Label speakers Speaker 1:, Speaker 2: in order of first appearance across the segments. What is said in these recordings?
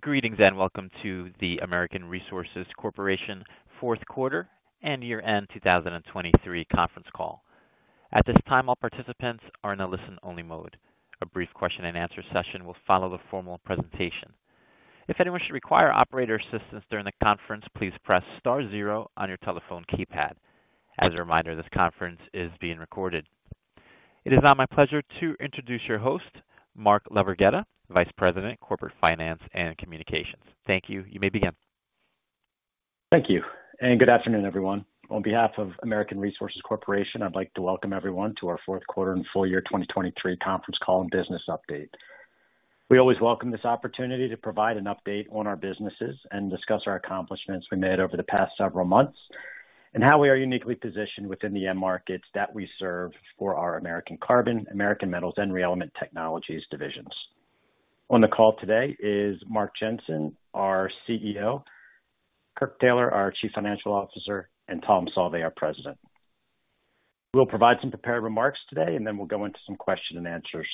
Speaker 1: Greetings and welcome to the American Resources Corporation Fourth Quarter and Year-End 2023 Conference Call. At this time, all participants are in a listen-only mode. A brief question-and-answer session will follow the formal presentation. If anyone should require operator assistance during the conference, please press star zero on your telephone keypad. As a reminder, this conference is being recorded. It is now my pleasure to introduce your host, Mark LaVerghetta, Vice President, Corporate Finance and Communications. Thank you. You may begin.
Speaker 2: Thank you, and good afternoon, everyone. On behalf of American Resources Corporation, I'd like to welcome everyone to our Fourth Quarter and Full Year 2023 Conference Call and Business Update. We always welcome this opportunity to provide an update on our businesses and discuss our accomplishments we made over the past several months and how we are uniquely positioned within the markets that we serve for our American Carbon, American Metals, and ReElement Technologies divisions. On the call today is Mark Jensen, our CEO, Kirk Taylor, our Chief Financial Officer, and Tom Sauve, our President. We'll provide some prepared remarks today, and then we'll go into some question and answers.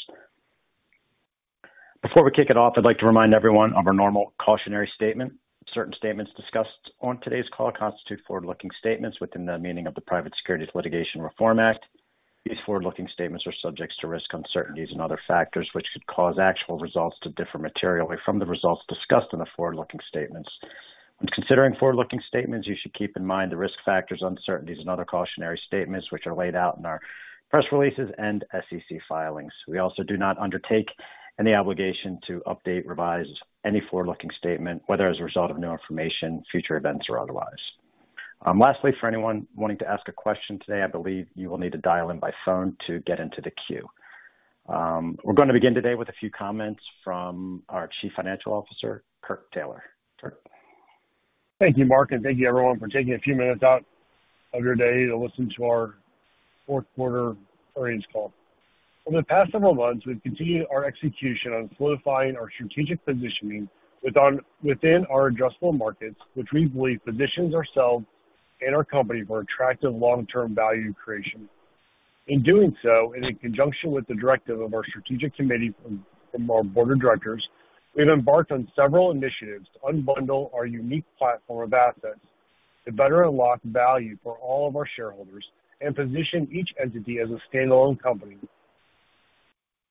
Speaker 2: Before we kick it off, I'd like to remind everyone of our normal cautionary statement. Certain statements discussed on today's call constitute forward-looking statements within the meaning of the Private Securities Litigation Reform Act. These forward-looking statements are subject to risk, uncertainties, and other factors which could cause actual results to differ materially from the results discussed in the forward-looking statements. When considering forward-looking statements, you should keep in mind the risk factors, uncertainties, and other cautionary statements which are laid out in our press releases and SEC filings. We also do not undertake any obligation to update, revise any forward-looking statement, whether as a result of new information, future events, or otherwise. Lastly, for anyone wanting to ask a question today, I believe you will need to dial in by phone to get into the queue. We're going to begin today with a few comments from our Chief Financial Officer, Kirk Taylor.
Speaker 3: Thank you, Mark, and thank you, everyone, for taking a few minutes out of your day to listen to our fourth quarter earnings call. Over the past several months, we've continued our execution on solidifying our strategic positioning within our adjustable markets, which we believe positions ourselves and our company for attractive long-term value creation. In doing so, and in conjunction with the directive of our strategic committee from our board of directors, we've embarked on several initiatives to unbundle our unique platform of assets to better unlock value for all of our shareholders and position each entity as a standalone company.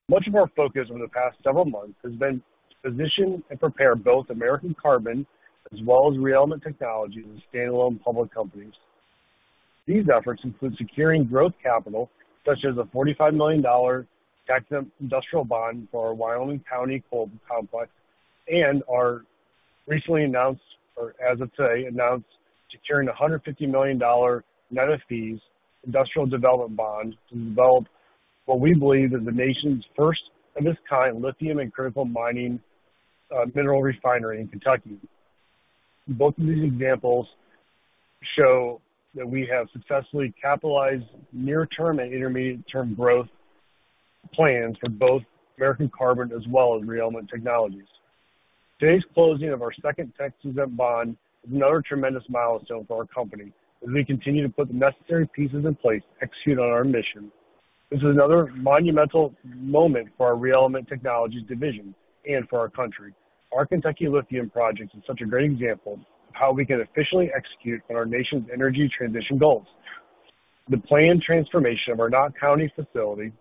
Speaker 3: Much of our focus over the past several months has been to position and prepare both American Carbon as well as ReElement Technologies as standalone public companies. These efforts include securing growth capital such as a $45 million tax-exempt industrial bond for our Wyoming County Coal Complex and our recently announced or, as of today, announced securing a $150 million net of fees industrial development bond to develop what we believe is the nation's first of its kind lithium and critical mineral refinery in Kentucky. Both of these examples show that we have successfully capitalized near-term and intermediate-term growth plans for both American Carbon as well as ReElement Technologies. Today's closing of our second tax-exempt bond is another tremendous milestone for our company as we continue to put the necessary pieces in place to execute on our mission. This is another monumental moment for our ReElement Technologies division and for our country. Our Kentucky lithium project is such a great example of how we can officially execute on our nation's energy transition goals. The planned transformation of our Knott County facility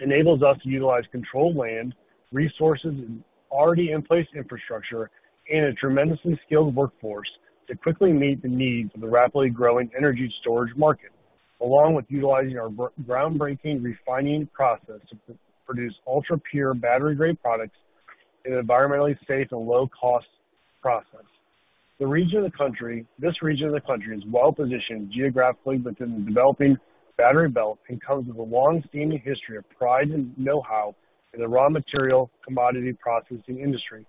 Speaker 3: enables us to utilize controlled land, resources, and already-in-place infrastructure and a tremendously skilled workforce to quickly meet the needs of the rapidly growing energy storage market, along with utilizing our groundbreaking refining process to produce ultra-pure battery-grade products in an environmentally safe and low-cost process. The region of the country is well-positioned geographically within the developing Battery Belt and comes with a long-standing history of pride and know-how in the raw material commodity processing industry.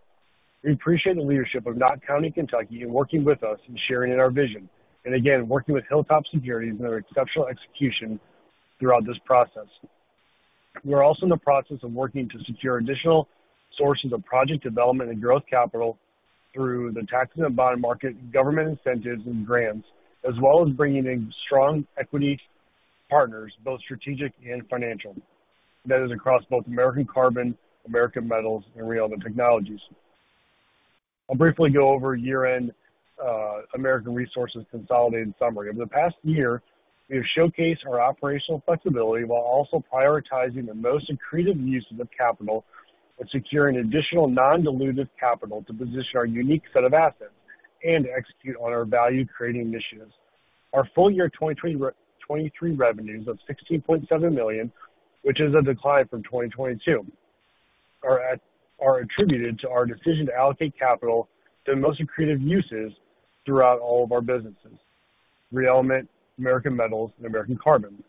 Speaker 3: We appreciate the leadership of Knott County, Kentucky, in working with us and sharing in our vision, and again, working with Hilltop Securities and their exceptional execution throughout this process. We are also in the process of working to secure additional sources of project development and growth capital through the tax-exempt bond market, government incentives, and grants, as well as bringing in strong equity partners, both strategic and financial. That is across both American Carbon, American Metals, and ReElement Technologies. I'll briefly go over a year-end American Resources consolidated summary. Over the past year, we have showcased our operational flexibility while also prioritizing the most accretive uses of capital and securing additional non-dilutive capital to position our unique set of assets and execute on our value-creating initiatives. Our full year 2023 revenues of $16.7 million, which is a decline from 2022, are attributed to our decision to allocate capital to the most accretive uses throughout all of our businesses: ReElement, American Metals, and American Carbon.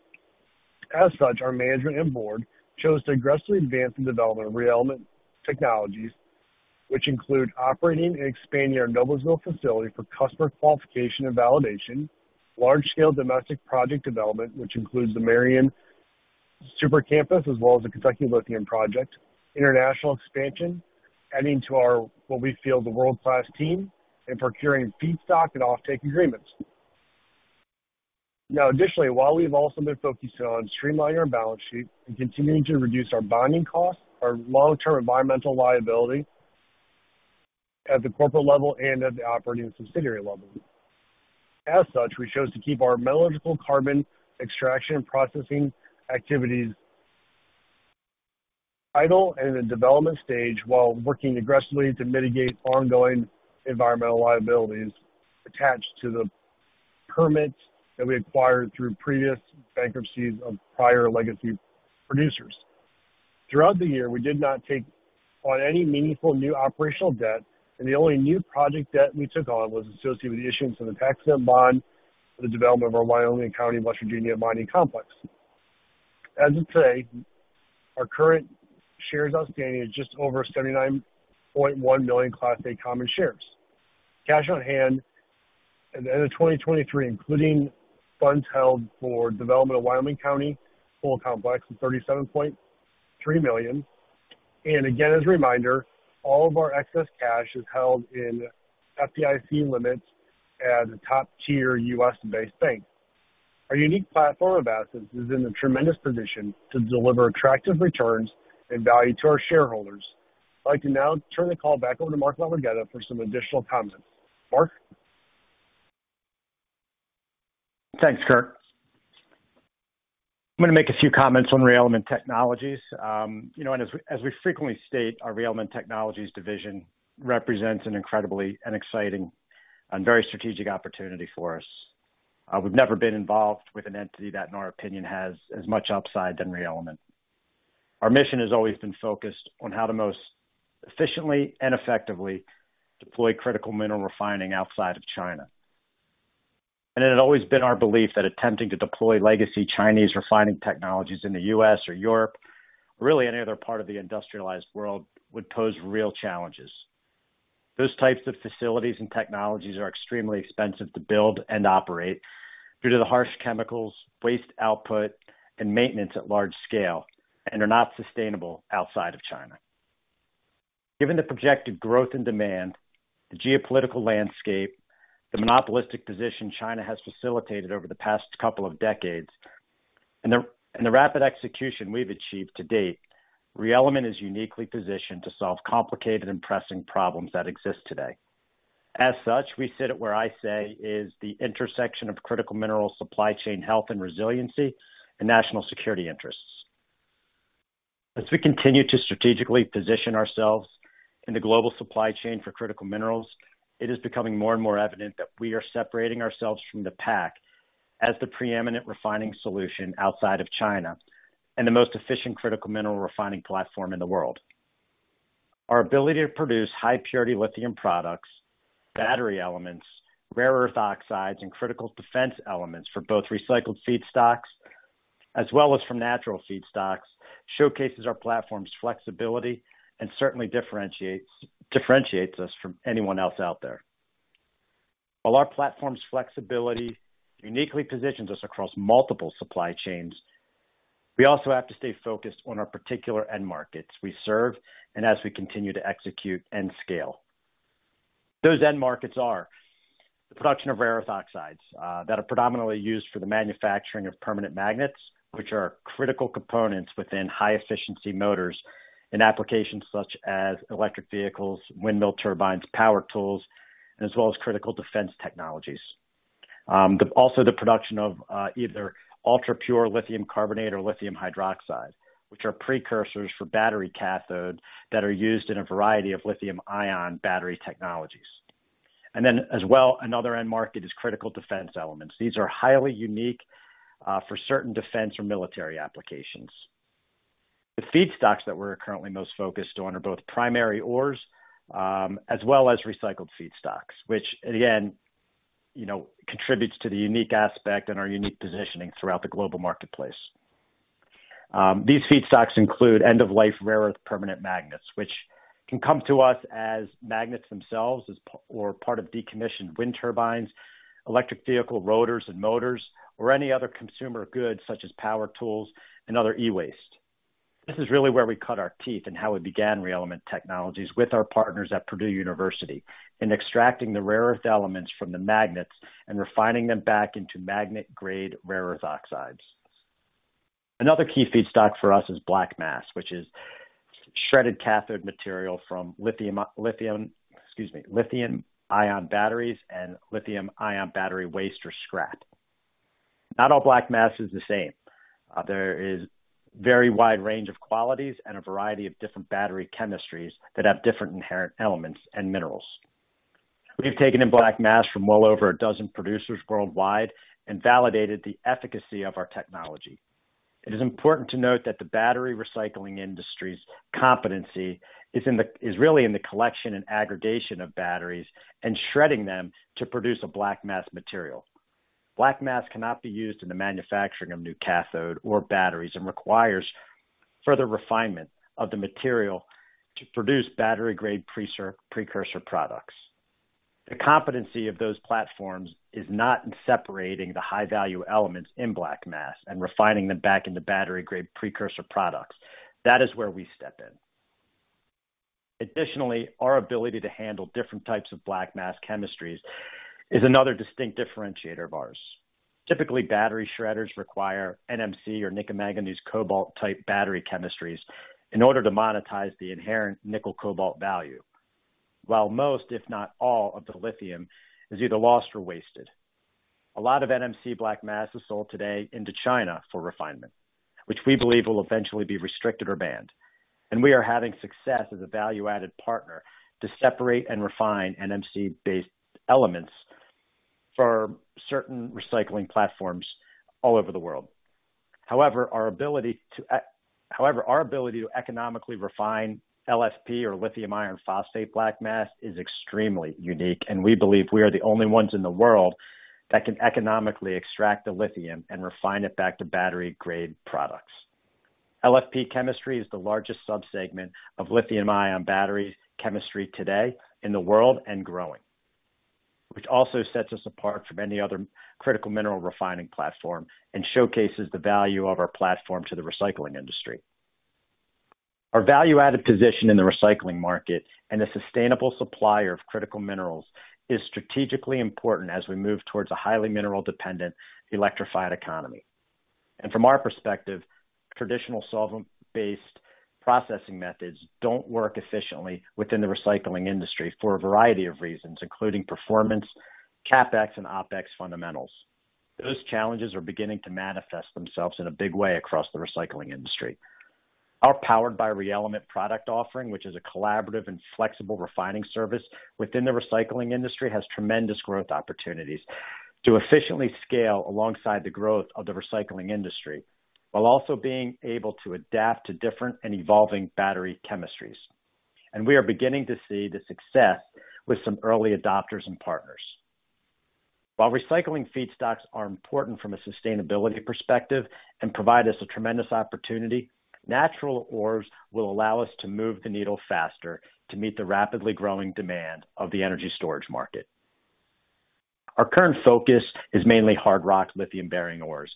Speaker 3: As such, our management and board chose to aggressively advance the development of ReElement Technologies, which include operating and expanding our Noblesville facility for customer qualification and validation, large-scale domestic project development, which includes the Marion Super Site as well as the Kentucky Lithium Project, international expansion, adding to what we feel is a world-class team, and procuring feedstock and offtake agreements. Now, additionally, while we've also been focusing on streamlining our balance sheet and continuing to reduce our bonding costs, our long-term environmental liability at the corporate level and at the operating subsidiary level, as such, we chose to keep our metallurgical carbon extraction and processing activities idle and in the development stage while working aggressively to mitigate ongoing environmental liabilities attached to the permits that we acquired through previous bankruptcies of prior legacy producers. Throughout the year, we did not take on any meaningful new operational debt, and the only new project debt we took on was associated with the issuance of the tax-exempt bond for the development of our Wyoming County Coal Complex. As of today, our current shares outstanding is just over $79.1 million Class A common shares. Cash on hand at the end of 2023, including funds held for development of Wyoming County Coal Complex of $37.3 million, and again, as a reminder, all of our excess cash is held in FDIC limits at a top-tier U.S.-based bank. Our unique platform of assets is in a tremendous position to deliver attractive returns and value to our shareholders. I'd like to now turn the call back over to Mark LaVerghetta for some additional comments. Mark?
Speaker 4: Thanks, Kirk. I'm going to make a few comments on ReElement Technologies. As we frequently state, our ReElement Technologies division represents an incredibly exciting and very strategic opportunity for us. We've never been involved with an entity that, in our opinion, has as much upside than ReElement. Our mission has always been focused on how to most efficiently and effectively deploy critical mineral refining outside of China. It had always been our belief that attempting to deploy legacy Chinese refining technologies in the U.S. or Europe, or really any other part of the industrialized world, would pose real challenges. Those types of facilities and technologies are extremely expensive to build and operate due to the harsh chemicals, waste output, and maintenance at large scale, and are not sustainable outside of China. Given the projected growth and demand, the geopolitical landscape, the monopolistic position China has facilitated over the past couple of decades, and the rapid execution we've achieved to date, ReElement is uniquely positioned to solve complicated and pressing problems that exist today. As such, we sit at where I say is the intersection of critical mineral supply chain health and resiliency and national security interests. As we continue to strategically position ourselves in the global supply chain for critical minerals, it is becoming more and more evident that we are separating ourselves from the pack as the preeminent refining solution outside of China and the most efficient critical mineral refining platform in the world. Our ability to produce high-purity lithium products, battery elements, rare earth oxides, and critical defense elements for both recycled feedstocks as well as from natural feedstocks showcases our platform's flexibility and certainly differentiates us from anyone else out there. While our platform's flexibility uniquely positions us across multiple supply chains, we also have to stay focused on our particular end markets we serve and as we continue to execute and scale. Those end markets are the production of rare earth oxides that are predominantly used for the manufacturing of permanent magnets, which are critical components within high-efficiency motors in applications such as electric vehicles, windmill turbines, power tools, as well as critical defense technologies. Also, the production of either ultra-pure lithium carbonate or lithium hydroxide, which are precursors for battery cathodes that are used in a variety of lithium-ion battery technologies. Then as well, another end market is critical defense elements. These are highly unique for certain defense or military applications. The feedstocks that we're currently most focused on are both primary ores as well as recycled feedstocks, which, again, contributes to the unique aspect and our unique positioning throughout the global marketplace. These feedstocks include end-of-life rare earth permanent magnets, which can come to us as magnets themselves or part of decommissioned wind turbines, electric vehicle rotors and motors, or any other consumer goods such as power tools and other e-waste. This is really where we cut our teeth and how we began ReElement Technologies with our partners at Purdue University in extracting the rare earth elements from the magnets and refining them back into magnet-grade rare earth oxides. Another key feedstock for us is black mass, which is shredded cathode material from lithium-ion batteries and lithium-ion battery waste or scrap. Not all black mass is the same. There is a very wide range of qualities and a variety of different battery chemistries that have different inherent elements and minerals. We've taken in black mass from well over a dozen producers worldwide and validated the efficacy of our technology. It is important to note that the battery recycling industry's competency is really in the collection and aggregation of batteries and shredding them to produce a black mass material. Black mass cannot be used in the manufacturing of new cathode or batteries and requires further refinement of the material to produce battery-grade precursor products. The competency of those platforms is not in separating the high-value elements in black mass and refining them back into battery-grade precursor products. That is where we step in. Additionally, our ability to handle different types of black mass chemistries is another distinct differentiator of ours. Typically, battery shredders require NMC or nickel-manganese cobalt-type battery chemistries in order to monetize the inherent nickel-cobalt value, while most, if not all, of the lithium is either lost or wasted. A lot of NMC black mass is sold today into China for refinement, which we believe will eventually be restricted or banned. And we are having success as a value-added partner to separate and refine NMC-based elements for certain recycling platforms all over the world. However, our ability to economically refine LFP or lithium iron phosphate black mass is extremely unique, and we believe we are the only ones in the world that can economically extract the lithium and refine it back to battery-grade products. LFP chemistry is the largest subsegment of lithium-ion battery chemistry today in the world and growing, which also sets us apart from any other critical mineral refining platform and showcases the value of our platform to the recycling industry. Our value-added position in the recycling market and a sustainable supplier of critical minerals is strategically important as we move towards a highly mineral-dependent electrified economy. From our perspective, traditional solvent-based processing methods don't work efficiently within the recycling industry for a variety of reasons, including performance, CapEx, and OpEx fundamentals. Those challenges are beginning to manifest themselves in a big way across the recycling industry. Our Powered by ReElement product offering, which is a collaborative and flexible refining service within the recycling industry, has tremendous growth opportunities to efficiently scale alongside the growth of the recycling industry while also being able to adapt to different and evolving battery chemistries. We are beginning to see the success with some early adopters and partners. While recycling feedstocks are important from a sustainability perspective and provide us a tremendous opportunity, natural ores will allow us to move the needle faster to meet the rapidly growing demand of the energy storage market. Our current focus is mainly hard rock lithium-bearing ores,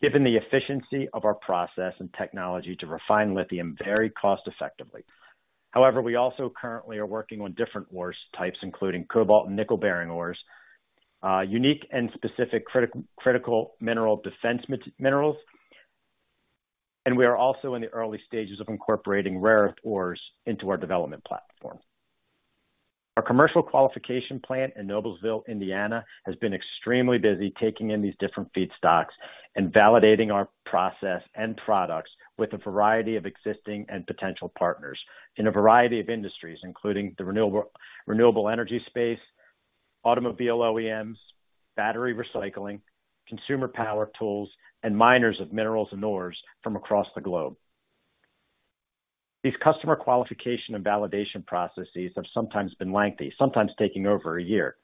Speaker 4: given the efficiency of our process and technology to refine lithium very cost-effectively. However, we also currently are working on different ore types, including cobalt and nickel-bearing ores, unique and specific critical mineral defense minerals, and we are also in the early stages of incorporating rare earth ores into our development platform. Our commercial qualification plant in Noblesville, Indiana, has been extremely busy taking in these different feedstocks and validating our process and products with a variety of existing and potential partners in a variety of industries, including the renewable energy space, automobile OEMs, battery recycling, consumer power tools, and miners of minerals and ores from across the globe. These customer qualification and validation processes have sometimes been lengthy, sometimes taking over a year,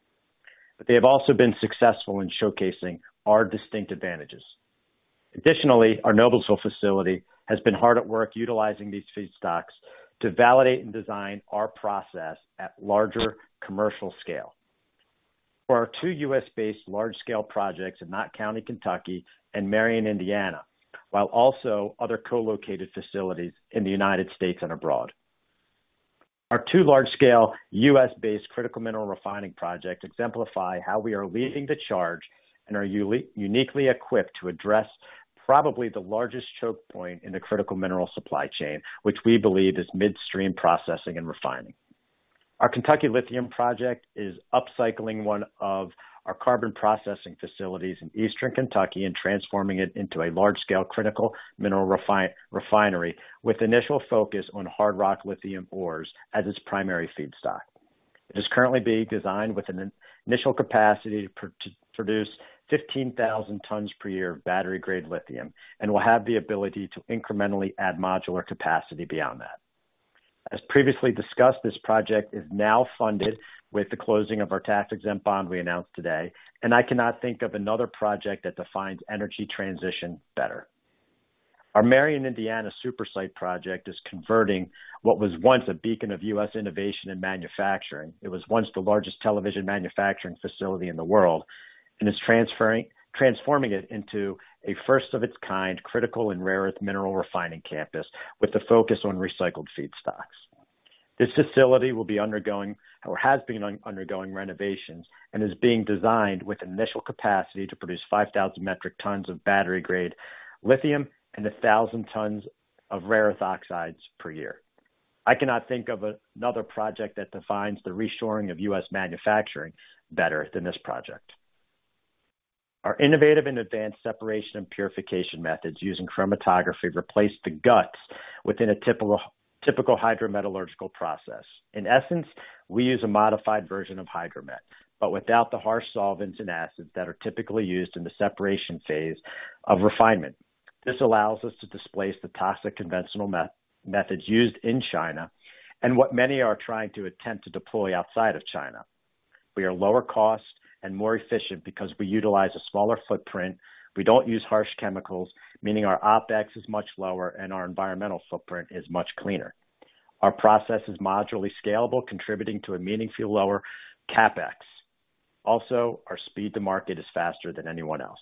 Speaker 4: but they have also been successful in showcasing our distinct advantages. Additionally, our Noblesville facility has been hard at work utilizing these feedstocks to validate and design our process at larger commercial scale for our two U.S.-based large-scale projects in Knott County, Kentucky, and Marion, Indiana, while also other co-located facilities in the United States and abroad. Our two large-scale U.S.-based critical mineral refining projects exemplify how we are leading the charge and are uniquely equipped to address probably the largest choke point in the critical mineral supply chain, which we believe is midstream processing and refining. Our Kentucky Lithium Project is upcycling one of our carbon processing facilities in eastern Kentucky and transforming it into a large-scale critical mineral refinery with initial focus on hard rock lithium ores as its primary feedstock. It is currently being designed with an initial capacity to produce 15,000 tons per year of battery-grade lithium and will have the ability to incrementally add modular capacity beyond that. As previously discussed, this project is now funded with the closing of our tax-exempt bond we announced today, and I cannot think of another project that defines energy transition better. Our Marion, Indiana, Super Site Project is converting what was once a beacon of U.S. innovation and manufacturing. It was once the largest television manufacturing facility in the world and is transforming it into a first-of-its-kind critical and rare earth mineral refining campus with a focus on recycled feedstocks. This facility will be undergoing or has been undergoing renovations and is being designed with initial capacity to produce 5,000 metric tons of battery-grade lithium and 1,000 tons of rare earth oxides per year. I cannot think of another project that defines the reshoring of U.S. manufacturing better than this project. Our innovative and advanced separation and purification methods using chromatography replace the guts within a typical hydrometallurgical process. In essence, we use a modified version of hydromet, but without the harsh solvents and acids that are typically used in the separation phase of refinement. This allows us to displace the toxic conventional methods used in China and what many are trying to attempt to deploy outside of China. We are lower cost and more efficient because we utilize a smaller footprint. We don't use harsh chemicals, meaning our OpEx is much lower and our environmental footprint is much cleaner. Our process is modularly scalable, contributing to a meaningfully lower CapEx. Also, our speed to market is faster than anyone else.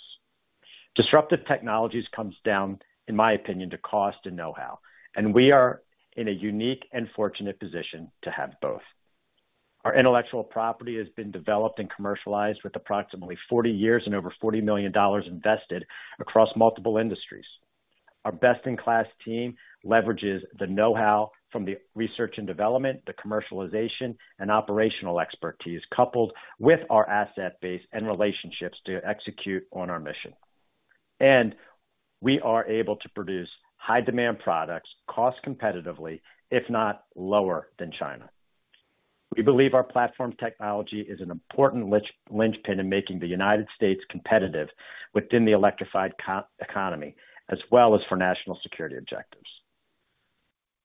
Speaker 4: Disruptive technologies come down, in my opinion, to cost and know-how, and we are in a unique and fortunate position to have both. Our intellectual property has been developed and commercialized with approximately 40 years and over $40 million invested across multiple industries. Our best-in-class team leverages the know-how from the research and development, the commercialization, and operational expertise coupled with our asset base and relationships to execute on our mission. We are able to produce high-demand products cost-competitively, if not lower, than China. We believe our platform technology is an important linchpin in making the United States competitive within the electrified economy as well as for national security objectives.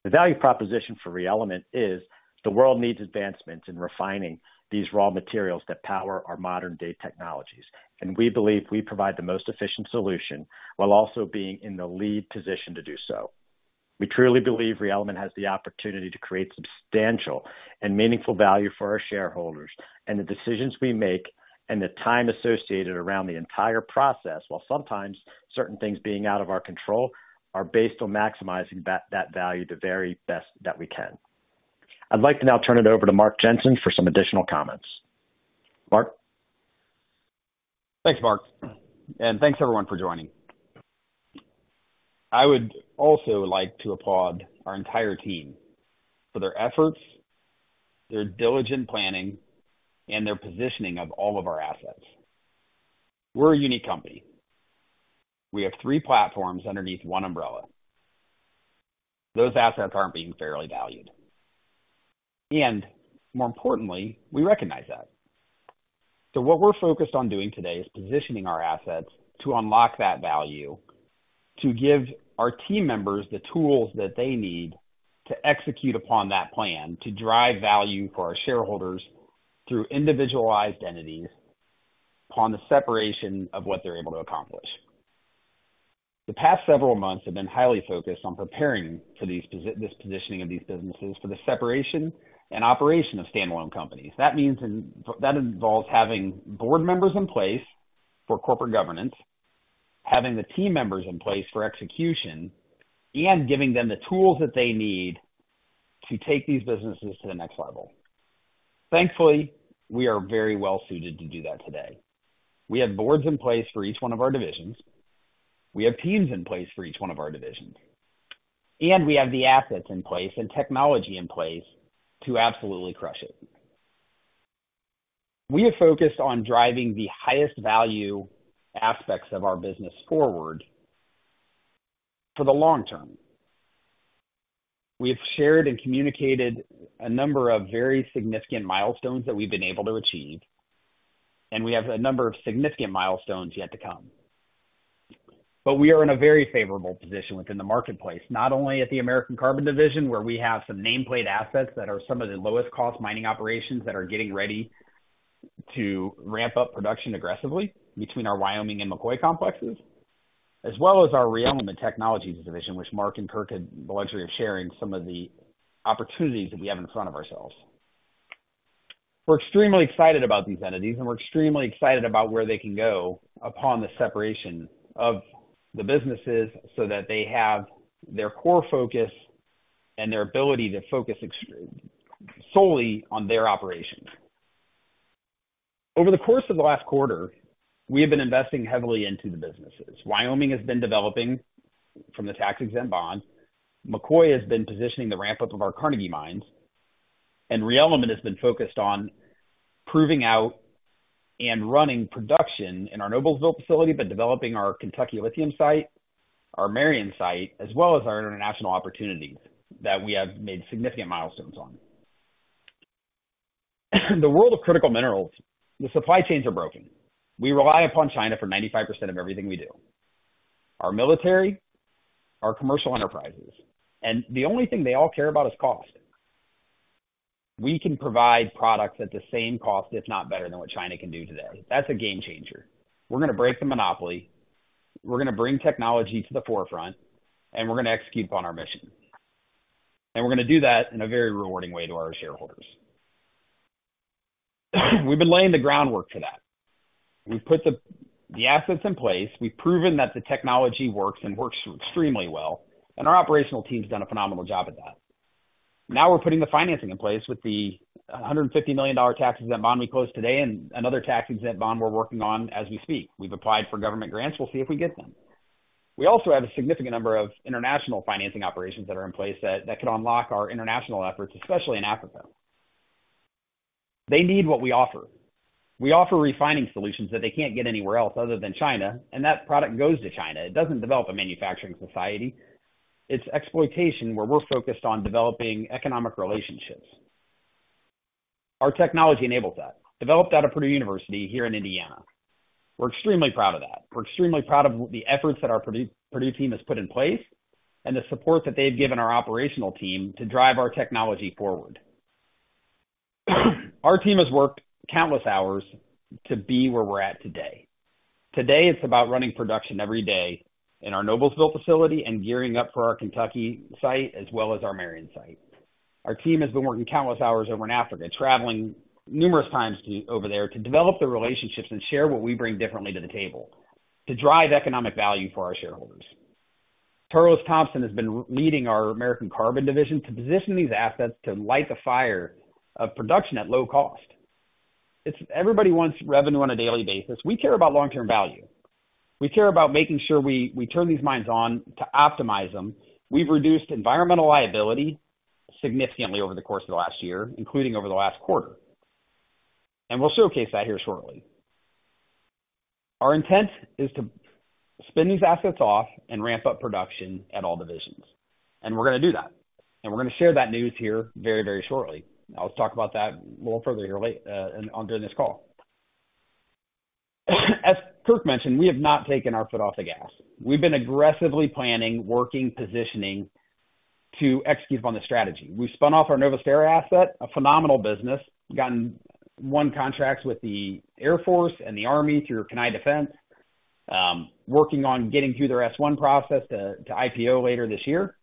Speaker 4: The value proposition for ReElement is the world needs advancements in refining these raw materials that power our modern-day technologies, and we believe we provide the most efficient solution while also being in the lead position to do so. We truly believe ReElement has the opportunity to create substantial and meaningful value for our shareholders, and the decisions we make and the time associated around the entire process, while sometimes certain things being out of our control, are based on maximizing that value the very best that we can. I'd like to now turn it over to Mark Jensen for some additional comments. Mark.
Speaker 2: Thanks, Mark. And thanks, everyone, for joining. I would also like to applaud our entire team for their efforts, their diligent planning, and their positioning of all of our assets. We're a unique company. We have three platforms underneath one umbrella. Those assets aren't being fairly valued. And more importantly, we recognize that. So what we're focused on doing today is positioning our assets to unlock that value, to give our team members the tools that they need to execute upon that plan, to drive value for our shareholders through individualized entities upon the separation of what they're able to accomplish. The past several months have been highly focused on preparing for this positioning of these businesses for the separation and operation of standalone companies. That means that involves having board members in place for corporate governance, having the team members in place for execution, and giving them the tools that they need to take these businesses to the next level. Thankfully, we are very well-suited to do that today. We have boards in place for each one of our divisions. We have teams in place for each one of our divisions. And we have the assets in place and technology in place to absolutely crush it. We have focused on driving the highest value aspects of our business forward for the long term. We have shared and communicated a number of very significant milestones that we've been able to achieve, and we have a number of significant milestones yet to come. But we are in a very favorable position within the marketplace, not only at the American Carbon Division, where we have some nameplate assets that are some of the lowest-cost mining operations that are getting ready to ramp up production aggressively between our Wyoming and McCoy complexes, as well as our ReElement Technologies Division, which Mark and Kirk had the luxury of sharing some of the opportunities that we have in front of ourselves. We're extremely excited about these entities, and we're extremely excited about where they can go upon the separation of the businesses so that they have their core focus and their ability to focus solely on their operations. Over the course of the last quarter, we have been investing heavily into the businesses. Wyoming has been developing from the tax-exempt bond. McCoy has been positioning the ramp-up of our Carnegie mines. ReElement has been focused on proving out and running production in our Noblesville facility, but developing our Kentucky Lithium site, our Marion site, as well as our international opportunities that we have made significant milestones on. In the world of critical minerals, the supply chains are broken. We rely upon China for 95% of everything we do: our military, our commercial enterprises. And the only thing they all care about is cost. We can provide products at the same cost, if not better, than what China can do today. That's a game changer. We're going to break the monopoly. We're going to bring technology to the forefront, and we're going to execute upon our mission. And we're going to do that in a very rewarding way to our shareholders. We've been laying the groundwork for that. We've put the assets in place. We've proven that the technology works and works extremely well, and our operational team's done a phenomenal job at that. Now we're putting the financing in place with the $150 million tax-exempt bond we closed today and another tax-exempt bond we're working on as we speak. We've applied for government grants. We'll see if we get them. We also have a significant number of international financing operations that are in place that could unlock our international efforts, especially in Africa. They need what we offer. We offer refining solutions that they can't get anywhere else other than China, and that product goes to China. It doesn't develop a manufacturing society. It's exploitation where we're focused on developing economic relationships. Our technology enables that, developed out of Purdue University here in Indiana. We're extremely proud of that. We're extremely proud of the efforts that our Purdue team has put in place and the support that they've given our operational team to drive our technology forward. Our team has worked countless hours to be where we're at today. Today, it's about running production every day in our Noblesville facility and gearing up for our Kentucky site as well as our Marion site. Our team has been working countless hours over in Africa, traveling numerous times over there to develop the relationships and share what we bring differently to the table, to drive economic value for our shareholders. Tarlis Thompson has been leading our American Carbon Division to position these assets to light the fire of production at low cost. Everybody wants revenue on a daily basis. We care about long-term value. We care about making sure we turn these mines on to optimize them. We've reduced environmental liability significantly over the course of the last year, including over the last quarter. We'll showcase that here shortly. Our intent is to spin these assets off and ramp up production at all divisions. We're going to do that. We're going to share that news here very, very shortly. I'll talk about that a little further here during this call. As Kirk mentioned, we have not taken our foot off the gas. We've been aggressively planning, working, positioning to execute upon the strategy. We've spun off our Novusterra asset, a phenomenal business, gotten one contract with the Air Force and the Army through Kenai Defense, working on getting through their S-1 process to IPO later this year.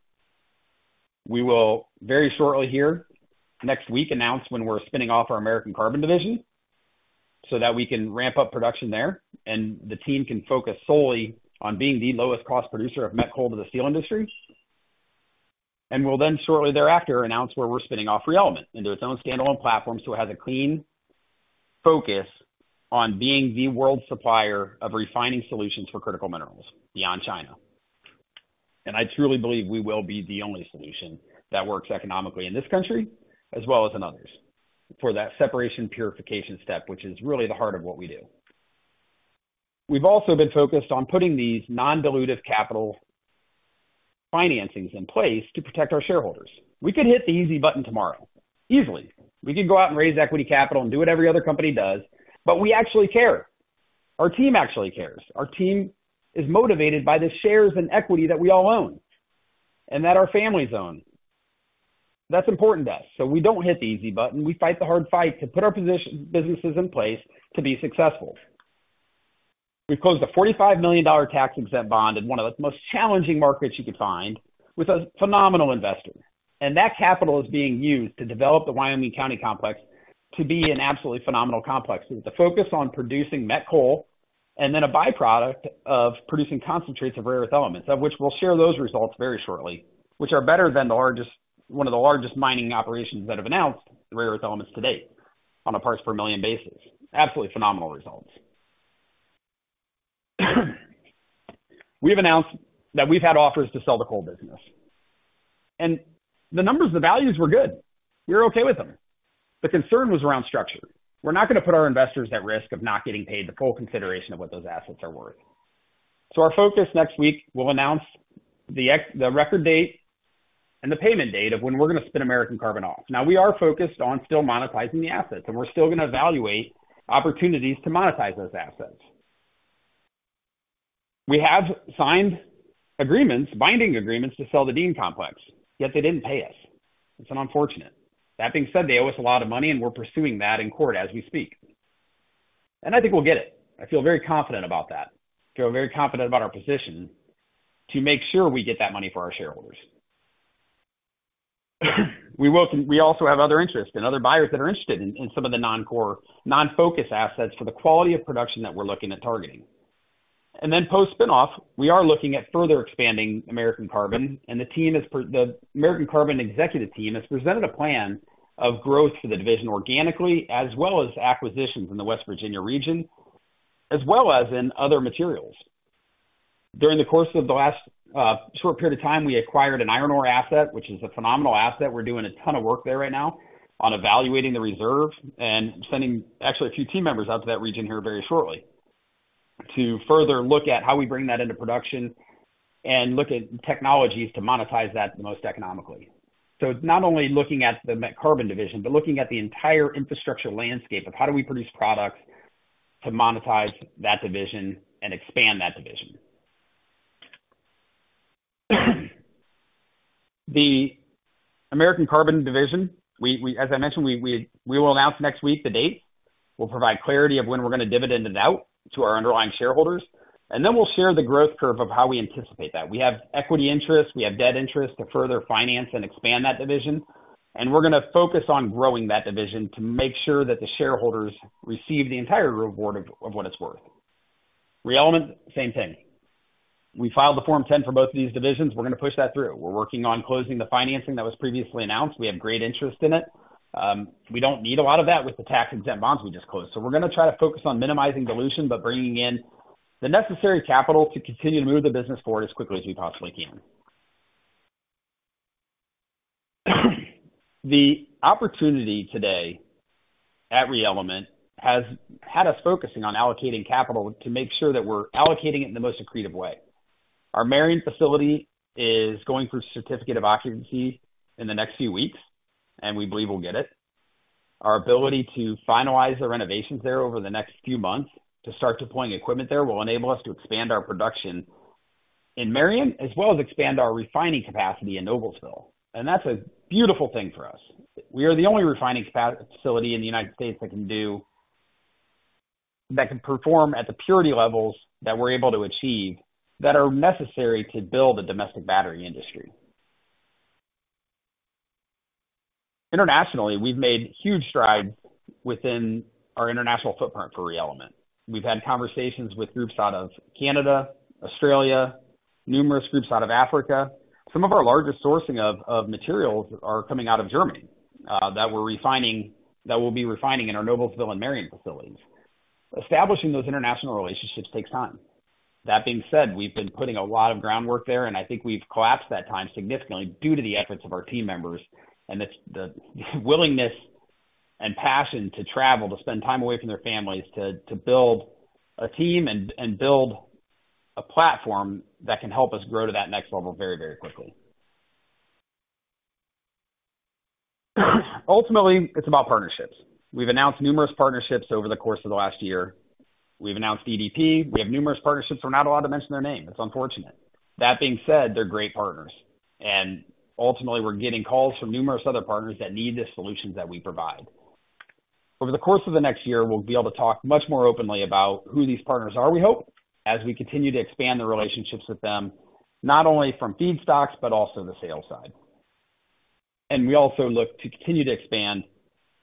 Speaker 2: We will very shortly here next week announce when we're spinning off our American Carbon Division so that we can ramp up production there and the team can focus solely on being the lowest-cost producer of met coal to the steel industry. We'll then shortly thereafter announce where we're spinning off ReElement into its own standalone platform so it has a clean focus on being the world's supplier of refining solutions for critical minerals beyond China. I truly believe we will be the only solution that works economically in this country as well as in others for that separation purification step, which is really the heart of what we do. We've also been focused on putting these non-dilutive capital financings in place to protect our shareholders. We could hit the easy button tomorrow, easily. We could go out and raise equity capital and do what every other company does, but we actually care. Our team actually cares. Our team is motivated by the shares and equity that we all own and that our families own. That's important to us. So we don't hit the easy button. We fight the hard fight to put our businesses in place to be successful. We've closed a $45 million tax-exempt bond in one of the most challenging markets you could find with a phenomenal investor. That capital is being used to develop the Wyoming County complex to be an absolutely phenomenal complex with the focus on producing met coal and then a byproduct of producing concentrates of rare earth elements, of which we'll share those results very shortly, which are better than one of the largest mining operations that have announced rare earth elements to date on a parts per million basis. Absolutely phenomenal results. We have announced that we've had offers to sell the coal business. The numbers, the values were good. We were okay with them. The concern was around structure. We're not going to put our investors at risk of not getting paid the full consideration of what those assets are worth. Our focus next week will announce the record date and the payment date of when we're going to spin American Carbon off. Now, we are focused on still monetizing the assets, and we're still going to evaluate opportunities to monetize those assets. We have signed agreements, binding agreements to sell the Dean Complex, yet they didn't pay us. It's unfortunate. That being said, they owe us a lot of money, and we're pursuing that in court as we speak. And I think we'll get it. I feel very confident about that. I feel very confident about our position to make sure we get that money for our shareholders. We also have other interests and other buyers that are interested in some of the non-core, non-focus assets for the quality of production that we're looking at targeting. And then post-spinoff, we are looking at further expanding American Carbon. The American Carbon executive team has presented a plan of growth for the division organically, as well as acquisitions in the West Virginia region, as well as in other materials. During the course of the last short period of time, we acquired an iron ore asset, which is a phenomenal asset. We're doing a ton of work there right now on evaluating the reserve and sending actually a few team members out to that region here very shortly to further look at how we bring that into production and look at technologies to monetize that the most economically. So not only looking at the Met Carbon Division, but looking at the entire infrastructure landscape of how do we produce products to monetize that division and expand that division. The American Carbon Division, as I mentioned, we will announce next week the date. We'll provide clarity of when we're going to dividend it out to our underlying shareholders. Then we'll share the growth curve of how we anticipate that. We have equity interest. We have debt interest to further finance and expand that division. We're going to focus on growing that division to make sure that the shareholders receive the entire reward of what it's worth. ReElement, same thing. We filed the Form 10 for both of these divisions. We're going to push that through. We're working on closing the financing that was previously announced. We have great interest in it. We don't need a lot of that with the tax-exempt bonds we just closed. So we're going to try to focus on minimizing dilution but bringing in the necessary capital to continue to move the business forward as quickly as we possibly can. The opportunity today at ReElement has had us focusing on allocating capital to make sure that we're allocating it in the most accretive way. Our Marion facility is going through certificate of occupancy in the next few weeks, and we believe we'll get it. Our ability to finalize the renovations there over the next few months to start deploying equipment there will enable us to expand our production in Marion as well as expand our refining capacity in Noblesville. That's a beautiful thing for us. We are the only refining facility in the United States that can perform at the purity levels that we're able to achieve that are necessary to build a domestic battery industry. Internationally, we've made huge strides within our international footprint for ReElement. We've had conversations with groups out of Canada, Australia, numerous groups out of Africa. Some of our largest sourcing of materials are coming out of Germany that we'll be refining in our Noblesville and Marion facilities. Establishing those international relationships takes time. That being said, we've been putting a lot of groundwork there, and I think we've collapsed that time significantly due to the efforts of our team members and the willingness and passion to travel, to spend time away from their families to build a team and build a platform that can help us grow to that next level very, very quickly. Ultimately, it's about partnerships. We've announced numerous partnerships over the course of the last year. We've announced EDP. We have numerous partnerships. We're not allowed to mention their name. It's unfortunate. That being said, they're great partners. Ultimately, we're getting calls from numerous other partners that need the solutions that we provide. Over the course of the next year, we'll be able to talk much more openly about who these partners are, we hope, as we continue to expand the relationships with them, not only from feedstocks but also the sales side. We also look to continue to expand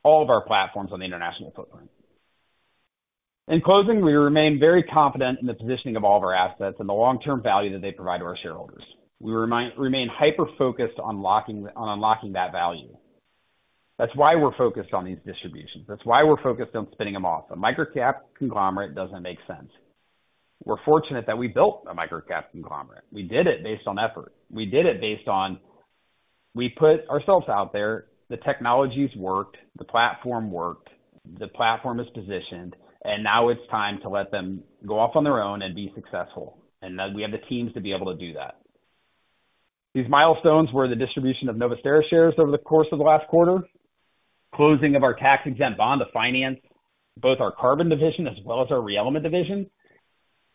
Speaker 2: all of our platforms on the international footprint. In closing, we remain very confident in the positioning of all of our assets and the long-term value that they provide to our shareholders. We remain hyper-focused on unlocking that value. That's why we're focused on these distributions. That's why we're focused on spinning them off. A microcap conglomerate doesn't make sense. We're fortunate that we built a microcap conglomerate. We did it based on effort. We did it based on we put ourselves out there. The technologies worked. The platform worked. The platform is positioned. Now it's time to let them go off on their own and be successful. And we have the teams to be able to do that. These milestones were the distribution of Novusterra shares over the course of the last quarter, closing of our tax-exempt bond to finance both our Carbon Division as well as our ReElement Division,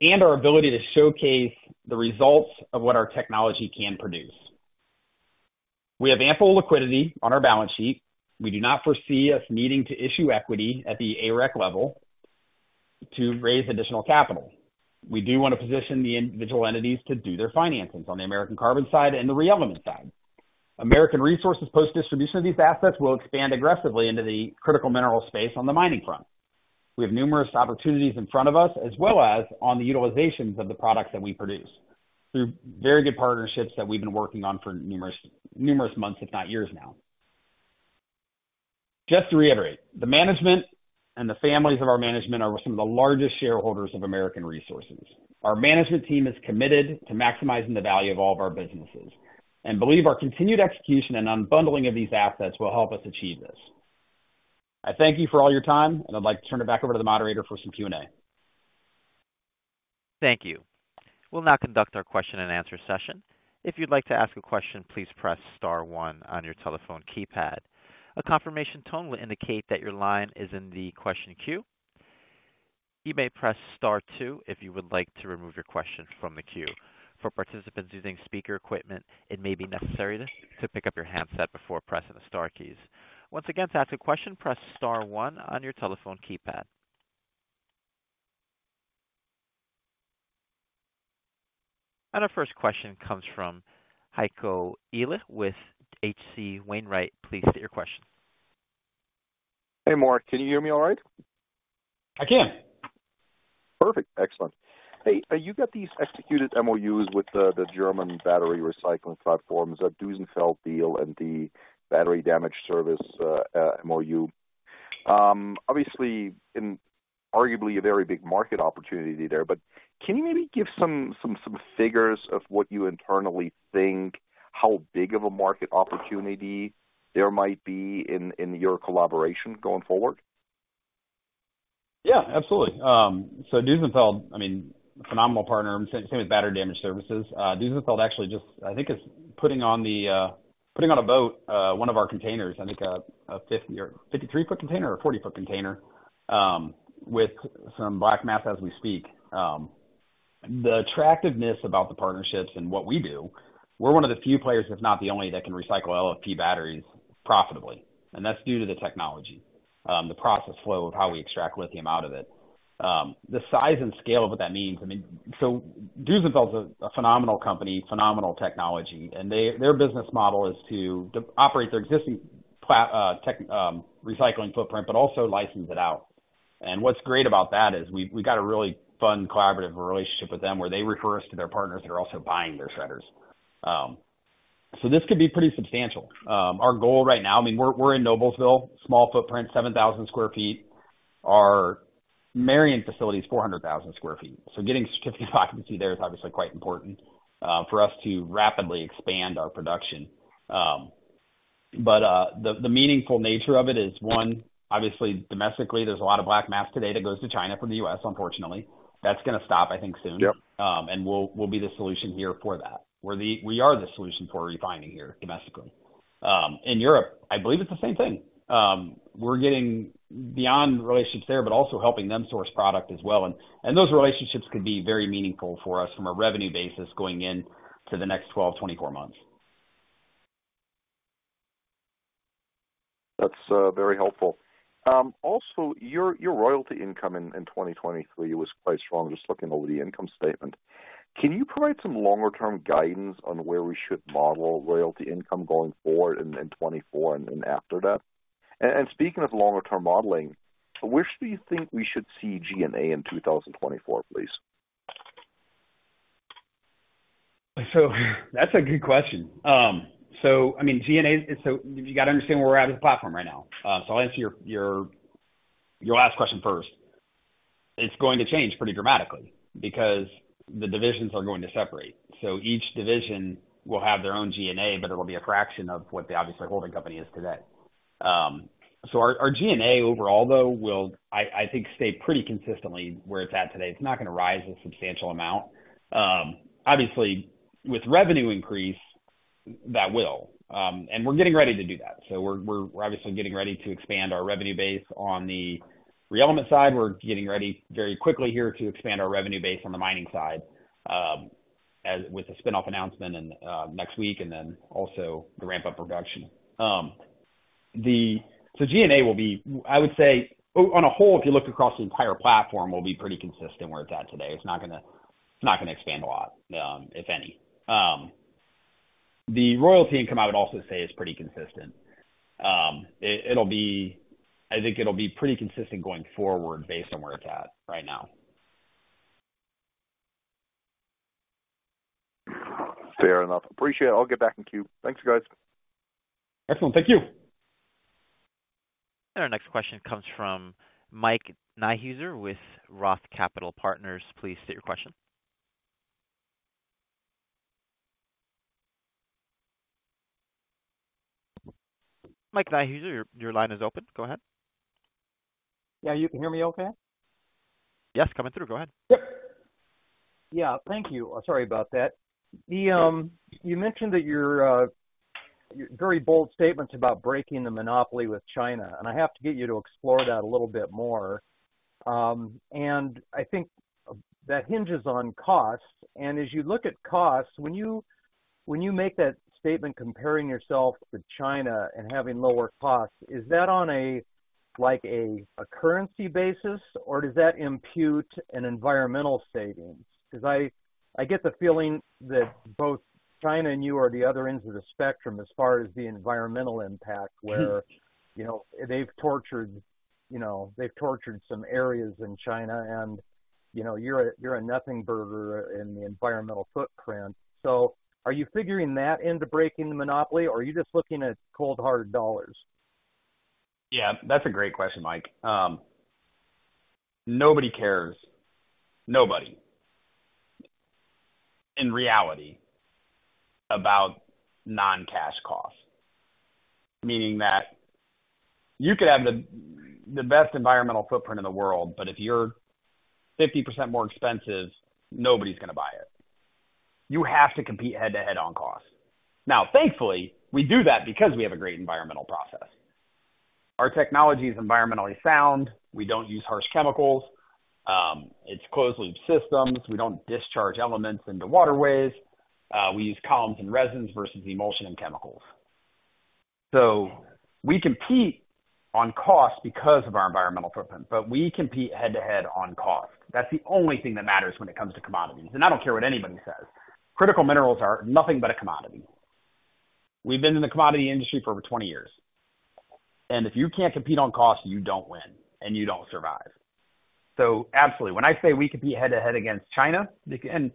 Speaker 2: and our ability to showcase the results of what our technology can produce. We have ample liquidity on our balance sheet. We do not foresee us needing to issue equity at the AREC level to raise additional capital. We do want to position the individual entities to do their financings on the American Carbon side and the ReElement side. American Resources' post-distribution of these assets will expand aggressively into the critical mineral space on the mining front. We have numerous opportunities in front of us as well as on the utilizations of the products that we produce through very good partnerships that we've been working on for numerous months, if not years now. Just to reiterate, the management and the families of our management are some of the largest shareholders of American Resources. Our management team is committed to maximizing the value of all of our businesses and believe our continued execution and unbundling of these assets will help us achieve this. I thank you for all your time, and I'd like to turn it back over to the moderator for some Q&A.
Speaker 1: Thank you. We'll now conduct our question-and-answer session. If you'd like to ask a question, please press star one on your telephone keypad. A confirmation tone will indicate that your line is in the question queue. You may press star two if you would like to remove your question from the queue. For participants using speaker equipment, it may be necessary to pick up your handset before pressing the star keys. Once again, to ask a question, press star one on your telephone keypad. And our first question comes from Heiko Ihle with H.C. Wainwright. Please state your question.
Speaker 5: Hey, Mark. Can you hear me all right?
Speaker 2: I can.
Speaker 5: Perfect. Excellent. Hey, you got these executed MOUs with the German battery recycling platforms, the Duesenfeld deal, and the Battery Damage Service MOU. Obviously, arguably a very big market opportunity there. But can you maybe give some figures of what you internally think, how big of a market opportunity there might be in your collaboration going forward?
Speaker 2: Yeah, absolutely. So Duesenfeld, I mean, phenomenal partner. Same with Battery Damage Service. Duesenfeld actually just, I think, is putting on a boat one of our containers, I think a 53-foot container or 40-foot container with some black mass as we speak. The attractiveness about the partnerships and what we do, we're one of the few players, if not the only, that can recycle LFP batteries profitably. And that's due to the technology, the process flow of how we extract lithium out of it, the size and scale of what that means. I mean, so Duesenfeld is a phenomenal company, phenomenal technology. And their business model is to operate their existing recycling footprint but also license it out. And what's great about that is we've got a really fun collaborative relationship with them where they refer us to their partners that are also buying their shredders. So this could be pretty substantial. Our goal right now, I mean, we're in Noblesville, small footprint, 7,000 sq ft. Our Marion facility is 400,000 sq ft. So getting certificate of occupancy there is obviously quite important for us to rapidly expand our production. But the meaningful nature of it is, one, obviously, domestically, there's a lot of black mass today that goes to China from the U.S., unfortunately. That's going to stop, I think, soon. And we'll be the solution here for that. We are the solution for refining here domestically. In Europe, I believe it's the same thing. We're getting beyond relationships there but also helping them source product as well. And those relationships could be very meaningful for us from a revenue basis going into the next 12, 24 months.
Speaker 5: That's very helpful. Also, your royalty income in 2023 was quite strong, just looking over the income statement. Can you provide some longer-term guidance on where we should model royalty income going forward in 2024 and after that? And speaking of longer-term modeling, where do you think we should see G&A in 2024, please?
Speaker 2: So that's a good question. So, I mean, G&A, so you got to understand where we're at with the platform right now. So I'll answer your last question first. It's going to change pretty dramatically because the divisions are going to separate. So each division will have their own G&A, but it'll be a fraction of what the obviously holding company is today. So our G&A overall, though, will, I think, stay pretty consistently where it's at today. It's not going to rise a substantial amount. Obviously, with revenue increase, that will. And we're getting ready to do that. So we're obviously getting ready to expand our revenue base on the ReElement side. We're getting ready very quickly here to expand our revenue base on the mining side with the spinoff announcement next week and then also the ramp-up production. So G&A will be, I would say, on the whole, if you look across the entire platform, will be pretty consistent where it's at today. It's not going to expand a lot, if any. The royalty income, I would also say, is pretty consistent. I think it'll be pretty consistent going forward based on where it's at right now.
Speaker 5: Fair enough. Appreciate it. I'll get back in queue. Thanks, guys.
Speaker 2: Excellent. Thank you.
Speaker 1: Our next question comes from Mike Niehuser with Roth Capital Partners. Please state your question. Mike Niehuser, your line is open. Go ahead.
Speaker 6: Yeah, you can hear me okay?
Speaker 2: Yes, coming through. Go ahead.
Speaker 6: Yep. Yeah, thank you. Sorry about that. You mentioned that your very bold statements about breaking the monopoly with China. I have to get you to explore that a little bit more. I think that hinges on cost. As you look at costs, when you make that statement comparing yourself to China and having lower costs, is that on a currency basis, or does that impute an environmental savings? Because I get the feeling that both China and you are the other ends of the spectrum as far as the environmental impact where they've tortured some areas in China, and you're a nothing burger in the environmental footprint. So are you figuring that into breaking the monopoly, or are you just looking at cold-hearted dollars?
Speaker 2: Yeah, that's a great question, Mike. Nobody cares, nobody in reality, about non-cash costs, meaning that you could have the best environmental footprint in the world, but if you're 50% more expensive, nobody's going to buy it. You have to compete head-to-head on costs. Now, thankfully, we do that because we have a great environmental process. Our technology is environmentally sound. We don't use harsh chemicals. It's closed-loop systems. We don't discharge elements into waterways. We use columns and resins versus emulsion and chemicals. So we compete on cost because of our environmental footprint, but we compete head-to-head on cost. That's the only thing that matters when it comes to commodities. And I don't care what anybody says. Critical minerals are nothing but a commodity. We've been in the commodity industry for over 20 years. And if you can't compete on cost, you don't win, and you don't survive. So absolutely, when I say we compete head-to-head against China, and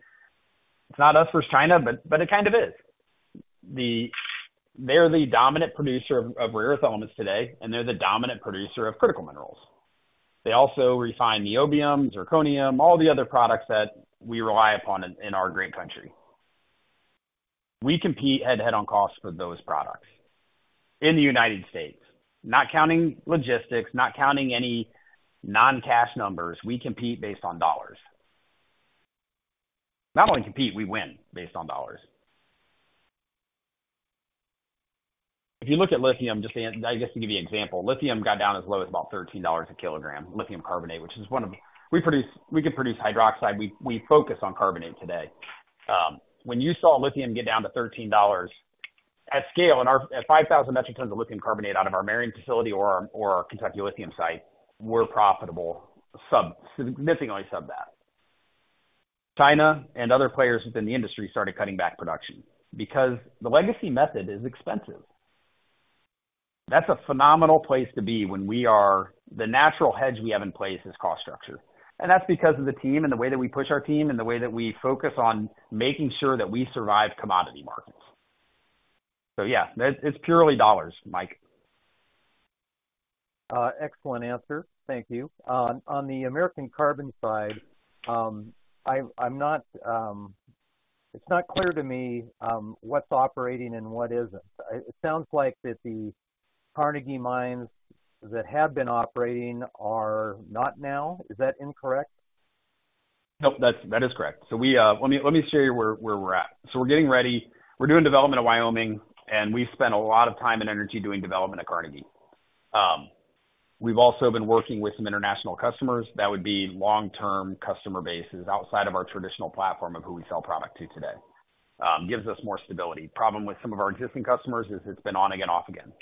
Speaker 2: it's not us versus China, but it kind of is. They're the dominant producer of rare earth elements today, and they're the dominant producer of critical minerals. They also refine niobium, zirconium, all the other products that we rely upon in our great country. We compete head-to-head on cost for those products in the United States, not counting logistics, not counting any non-cash numbers. We compete based on dollars. Not only compete, we win based on dollars. If you look at lithium, just to give you an example, lithium got down as low as about $13 a kilogram, lithium carbonate, which is one of we can produce hydroxide. We focus on carbonate today. When you saw lithium get down to $13 at scale, at 5,000 metric tons of lithium carbonate out of our Marion facility or our Kentucky lithium site, we're profitable, significantly sub that. China and other players within the industry started cutting back production because the legacy method is expensive. That's a phenomenal place to be when we are the natural hedge we have in place is cost structure. And that's because of the team and the way that we push our team and the way that we focus on making sure that we survive commodity markets. So yeah, it's purely dollars, Mike.
Speaker 6: Excellent answer. Thank you. On the American Carbon side, it's not clear to me what's operating and what isn't. It sounds like that the Carnegie mines that have been operating are not now. Is that incorrect?
Speaker 2: Nope, that is correct. So let me show you where we're at. So we're getting ready. We're doing development at Wyoming, and we've spent a lot of time and energy doing development at Carnegie. We've also been working with some international customers. That would be long-term customer bases outside of our traditional platform of who we sell product to today. Gives us more stability. Problem with some of our existing customers is it's been on again, off again.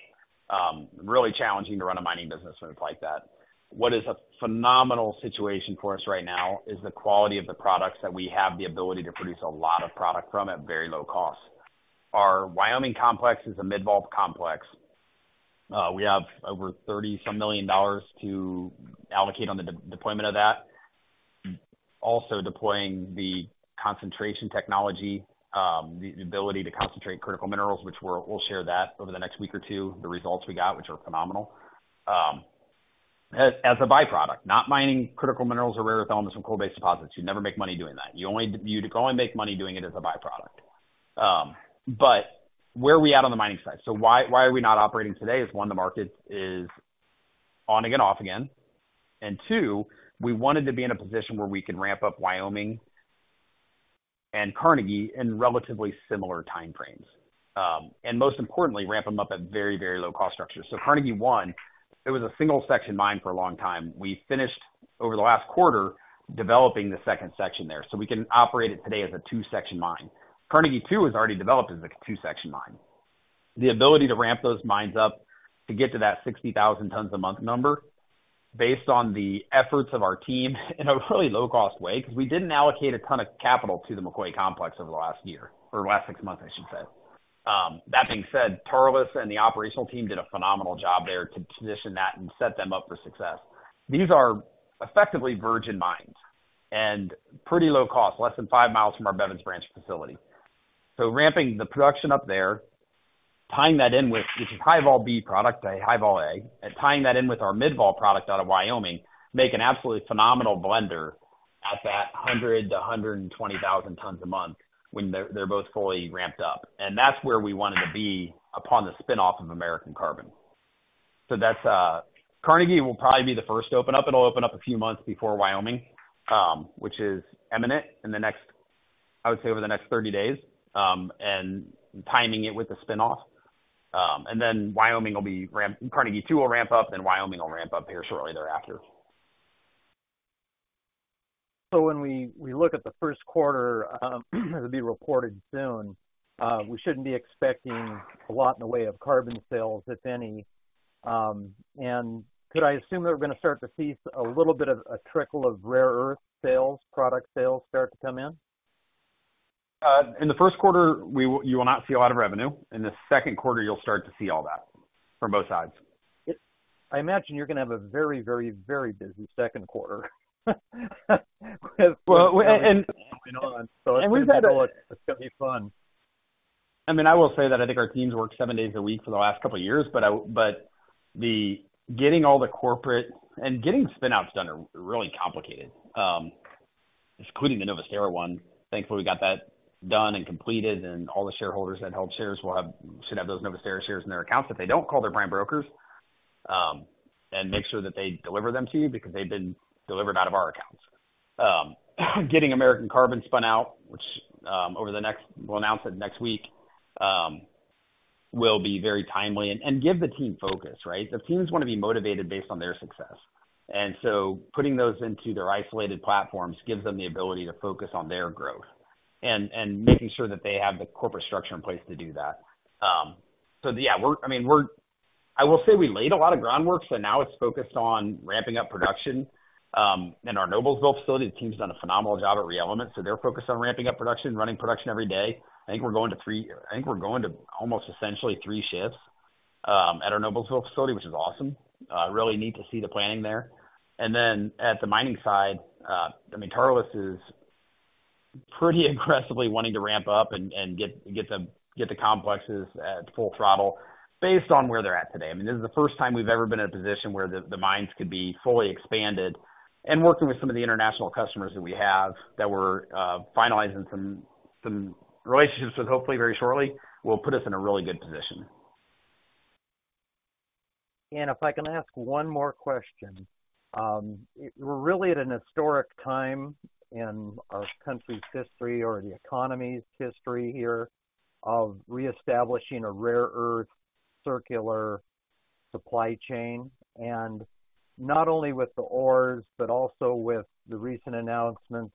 Speaker 2: Really challenging to run a mining business when it's like that. What is a phenomenal situation for us right now is the quality of the products that we have the ability to produce a lot of product from at very low cost. Our Wyoming complex is a Mid-Vol complex. We have over $30-some million to allocate on the deployment of that, also deploying the concentration technology, the ability to concentrate critical minerals, which we'll share that over the next week or two, the results we got, which are phenomenal as a byproduct, not mining critical minerals or rare earth elements from coal-based deposits. You never make money doing that. You only make money doing it as a byproduct. But where we at on the mining side? So why are we not operating today is, one, the market is on again, off again. And two, we wanted to be in a position where we could ramp up Wyoming and Carnegie in relatively similar time frames, and most importantly, ramp them up at very, very low cost structures. So Carnegie 1, it was a single-section mine for a long time. We finished over the last quarter developing the second section there. So we can operate it today as a two-section mine. Carnegie II is already developed as a two-section mine. The ability to ramp those mines up to get to that 60,000 tons a month number based on the efforts of our team in a really low-cost way because we didn't allocate a ton of capital to the McCoy Complex over the last year or the last six months, I should say. That being said, Tarlis and the operational team did a phenomenal job there to position that and set them up for success. These are effectively virgin mines and pretty low cost, less than five miles from our Bevins Branch facility. So, ramping the production up there, tying that in with, which is High-Vol B product, High-Vol A, tying that in with our Mid-Vol product out of Wyoming, make an absolutely phenomenal blender at that 100,000-120,000 tons a month when they're both fully ramped up. And that's where we wanted to be upon the spinoff of American Carbon. So Carnegie will probably be the first to open up. It'll open up a few months before Wyoming, which is imminent in the next, I would say, over the next 30 days, and timing it with the spinoff. And then Wyoming will be ramped, Carnegie II will ramp up, and Wyoming will ramp up here shortly thereafter.
Speaker 6: When we look at the first quarter, it'll be reported soon. We shouldn't be expecting a lot in the way of carbon sales, if any. Could I assume that we're going to start to see a little bit of a trickle of rare earth sales, product sales, start to come in?
Speaker 2: In the first quarter, you will not see a lot of revenue. In the second quarter, you'll start to see all that from both sides.
Speaker 6: I imagine you're going to have a very, very, very busy second quarter with.
Speaker 2: Well, and.
Speaker 6: And we've had a.
Speaker 2: It's going to be fun. I mean, I will say that I think our teams work seven days a week for the last couple of years. But getting all the corporate and getting spinoffs done are really complicated, including the Novusterra one. Thankfully, we got that done and completed, and all the shareholders that held shares should have those Novusterra shares in their accounts if they don't call their prime brokers and make sure that they deliver them to you because they've been delivered out of our accounts. Getting American Carbon spun out, which we'll announce it next week, will be very timely and give the team focus, right? The teams want to be motivated based on their success. And so putting those into their isolated platforms gives them the ability to focus on their growth and making sure that they have the corporate structure in place to do that. So yeah, I mean, I will say we laid a lot of groundwork, so now it's focused on ramping up production. In our Noblesville facility, the team's done a phenomenal job at ReElement, so they're focused on ramping up production, running production every day. I think we're going to three I think we're going to almost essentially three shifts at our Noblesville facility, which is awesome. Really need to see the planning there. And then at the mining side, I mean, Tarlis is pretty aggressively wanting to ramp up and get the complexes at full throttle based on where they're at today. I mean, this is the first time we've ever been in a position where the mines could be fully expanded. And working with some of the international customers that we have that we're finalizing some relationships with, hopefully, very shortly, will put us in a really good position.
Speaker 6: And if I can ask one more question, we're really at an historic time in our country's history or the economy's history here of reestablishing a rare earth circular supply chain, and not only with the ores, but also with the recent announcements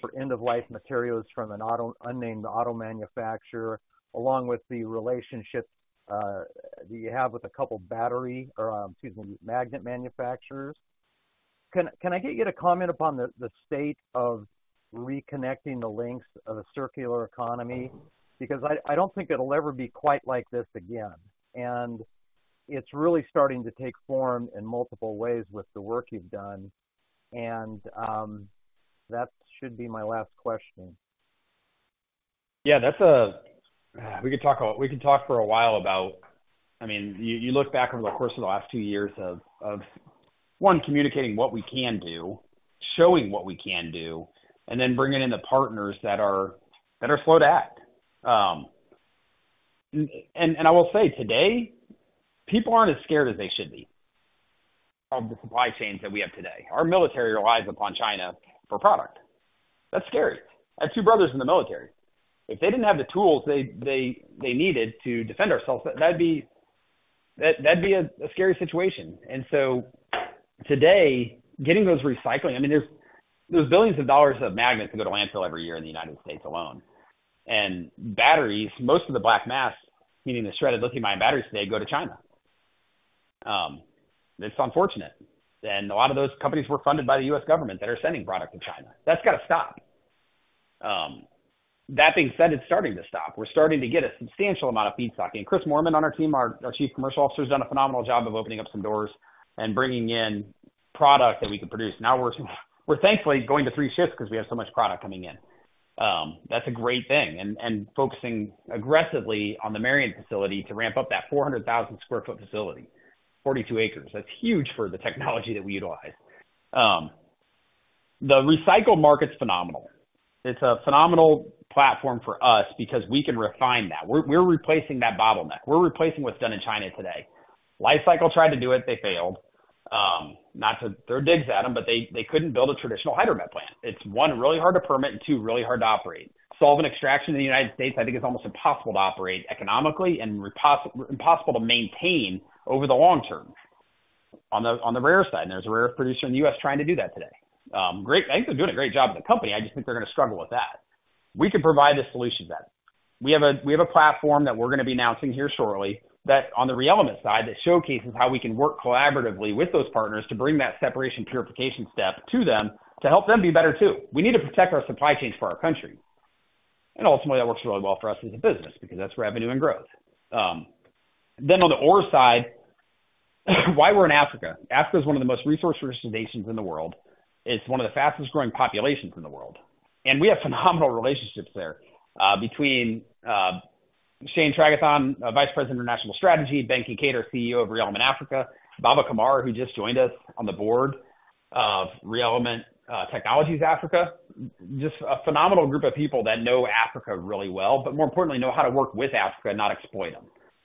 Speaker 6: for end-of-life materials from an unnamed auto manufacturer, along with the relationship that you have with a couple of battery or, excuse me, magnet manufacturers. Can I get you to comment upon the state of reconnecting the links of a circular economy? Because I don't think it'll ever be quite like this again. And it's really starting to take form in multiple ways with the work you've done. And that should be my last question.
Speaker 2: Yeah, we could talk for a while about I mean, you look back over the course of the last two years of, one, communicating what we can do, showing what we can do, and then bringing in the partners that are slow to act. I will say today, people aren't as scared as they should be of the supply chains that we have today. Our military relies upon China for product. That's scary. I have two brothers in the military. If they didn't have the tools they needed to defend ourselves, that'd be a scary situation. Today, getting those recycling I mean, there's billions of dollars of magnets that go to landfill every year in the United States alone. Batteries, most of the black mass, meaning the shredded lithium-ion batteries today, go to China. It's unfortunate. A lot of those companies were funded by the U.S. government that are sending product to China. That's got to stop. That being said, it's starting to stop. We're starting to get a substantial amount of feedstock. Chris Moorman on our team, our Chief Commercial Officer, has done a phenomenal job of opening up some doors and bringing in product that we could produce. Now we're thankfully going to three shifts because we have so much product coming in. That's a great thing. Focusing aggressively on the Marion facility to ramp up that 400,000 sq ft facility, 42 acres. That's huge for the technology that we utilize. The recycle market's phenomenal. It's a phenomenal platform for us because we can refine that. We're replacing that bottleneck. We're replacing what's done in China today. Li-Cycle tried to do it. They failed. There are digs at them, but they couldn't build a traditional hydromet plant. It's, 1, really hard to permit and, 2, really hard to operate. Solving extraction in the United States, I think, is almost impossible to operate economically and impossible to maintain over the long term on the rare side. And there's a rare producer in the U.S. trying to do that today. I think they're doing a great job as a company. I just think they're going to struggle with that. We can provide the solutions at it. We have a platform that we're going to be announcing here shortly on the ReElement side that showcases how we can work collaboratively with those partners to bring that separation purification step to them to help them be better too. We need to protect our supply chains for our country. Ultimately, that works really well for us as a business because that's revenue and growth. On the ore side, why we're in Africa? Africa is one of the most resource-rich nations in the world. It's one of the fastest-growing populations in the world. We have phenomenal relationships there between Shane Tragethon, Vice President of International Strategy, Ben Kincaid, CEO of ReElement Technologies Africa, Baba Kamara, who just joined us on the board of ReElement Technologies Africa, just a phenomenal group of people that know Africa really well, but more importantly, know how to work with Africa and not exploit them,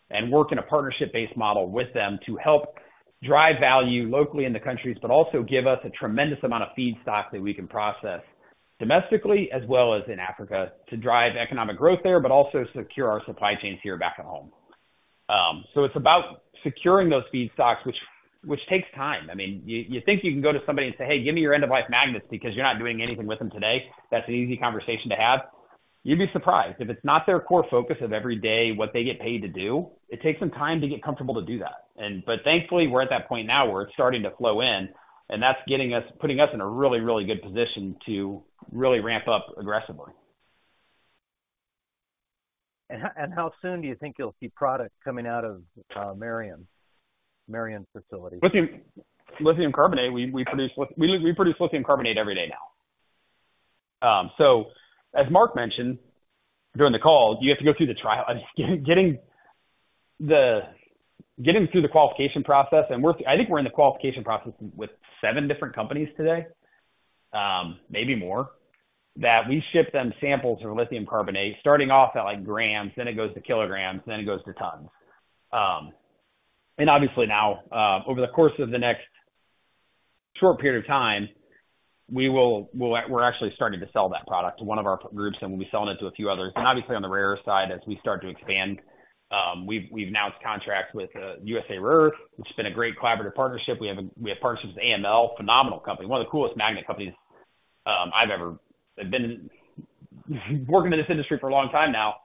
Speaker 2: and work in a partnership-based model with them to help drive value locally in the countries, but also give us a tremendous amount of feedstock that we can process domestically as well as in Africa to drive economic growth there, but also secure our supply chains here back at home. So it's about securing those feedstocks, which takes time. I mean, you think you can go to somebody and say, "Hey, give me your end-of-life magnets because you're not doing anything with them today." That's an easy conversation to have. You'd be surprised. If it's not their core focus of every day what they get paid to do, it takes some time to get comfortable to do that. But thankfully, we're at that point now where it's starting to flow in. And that's putting us in a really, really good position to really ramp up aggressively.
Speaker 6: How soon do you think you'll see product coming out of Marion facility?
Speaker 2: Lithium carbonate. We produce lithium carbonate every day now. As Mark mentioned during the call, you have to go through the trial getting through the qualification process. I think we're in the qualification process with seven different companies today, maybe more, that we ship them samples of lithium carbonate, starting off at grams, then it goes to kilograms, then it goes to tons. Obviously, now, over the course of the next short period of time, we're actually starting to sell that product to one of our groups, and we'll be selling it to a few others. Obviously, on the rare side, as we start to expand, we've announced contracts with USA Rare Earth, which has been a great collaborative partnership. We have partnerships with AML, phenomenal company, one of the coolest magnet companies I've ever been working in this industry for a long time now.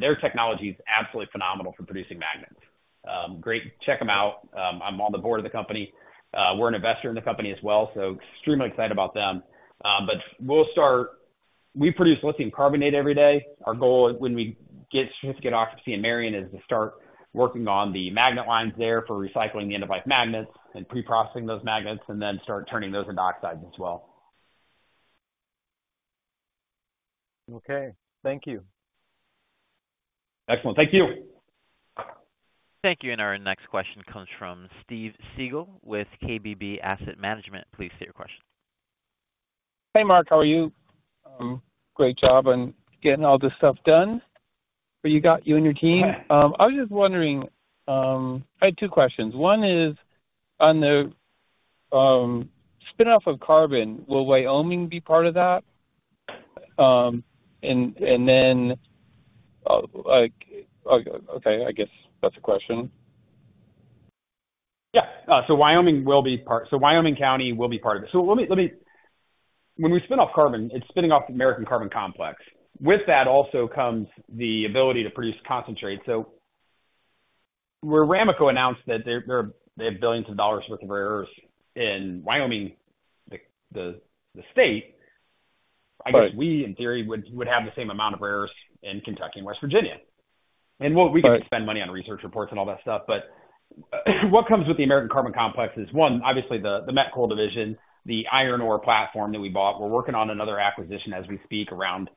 Speaker 2: Their technology is absolutely phenomenal for producing magnets. Great. Check them out. I'm on the board of the company. We're an investor in the company as well, so extremely excited about them. But we produce lithium carbonate every day. Our goal when we get certificate of occupancy in Marion is to start working on the magnet lines there for recycling the end-of-life magnets and pre-processing those magnets and then start turning those into oxides as well.
Speaker 6: Okay. Thank you.
Speaker 2: Excellent. Thank you.
Speaker 1: Thank you. And our next question comes from Steve Siegel with KBB Asset Management. Please state your question.
Speaker 7: Hey, Mark. How are you? Great job on getting all this stuff done for you and your team. I was just wondering. I had two questions. One is, on the spinoff of carbon, will Wyoming be part of that? And then, okay, I guess that's a question.
Speaker 2: Yeah. So Wyoming will be part so Wyoming County will be part of it. So when we spin off carbon, it's spinning off the American Carbon Complex. With that also comes the ability to produce concentrates. So where Ramaco announced that they have billions of dollars' worth of rare earths in Wyoming, the state, I guess we, in theory, would have the same amount of rare earths in Kentucky and West Virginia. And we could spend money on research reports and all that stuff. But what comes with the American Carbon Complex is, one, obviously, the Met coal division, the iron ore platform that we bought. We're working on another acquisition as we speak around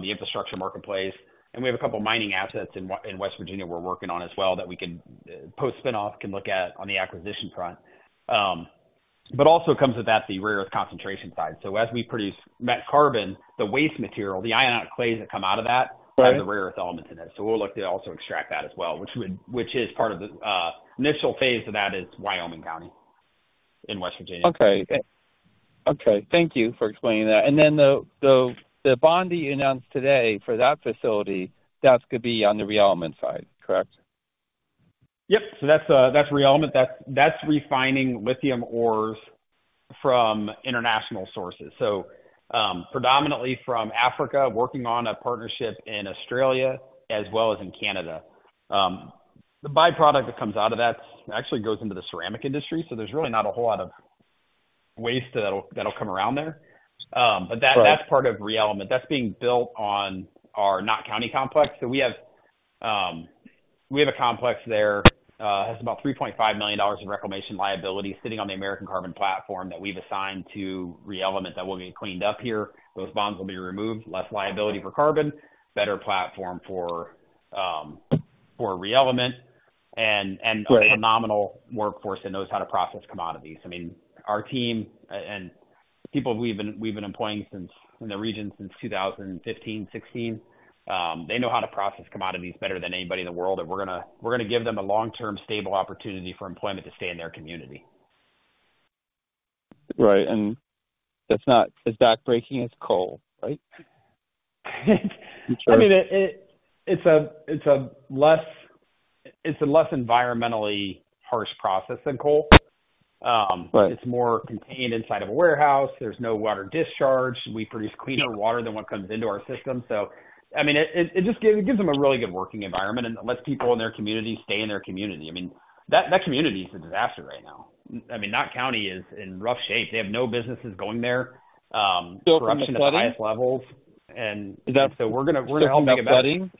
Speaker 2: the infrastructure marketplace. And we have a couple of mining assets in West Virginia we're working on as well that we can post-spinoff can look at on the acquisition front. But also comes with that, the rare earth concentration side. So as we produce met carbon, the waste material, the ionic clays that come out of that, has the rare earth elements in it. So we'll look to also extract that as well, which is part of the initial phase of that, is Wyoming County in West Virginia.
Speaker 7: Okay. Okay. Thank you for explaining that. And then the bond announced today for that facility, that's going to be on the ReElement side, correct?
Speaker 2: Yep. So that's ReElement. That's refining lithium ores from international sources, so predominantly from Africa, working on a partnership in Australia as well as in Canada. The byproduct that comes out of that actually goes into the ceramic industry. So there's really not a whole lot of waste that'll come around there. But that's part of ReElement. That's being built on our Knott County complex. So we have a complex there that has about $3.5 million in reclamation liability sitting on the American Carbon platform that we've assigned to ReElement that will get cleaned up here. Those bonds will be removed, less liability for carbon, better platform for ReElement, and a phenomenal workforce that knows how to process commodities. I mean, our team and people we've been employing in the region since 2015, 2016, they know how to process commodities better than anybody in the world. We're going to give them a long-term, stable opportunity for employment to stay in their community.
Speaker 7: Right. And it's not as backbreaking as coal, right?
Speaker 2: I mean, it's a less environmentally harsh process than coal. It's more contained inside of a warehouse. There's no water discharge. We produce cleaner water than what comes into our system. So I mean, it gives them a really good working environment and lets people in their community stay in their community. I mean, that community is a disaster right now. I mean, Knott County is in rough shape. They have no businesses going there. Corruption at the highest levels. And so we're going to help make it better.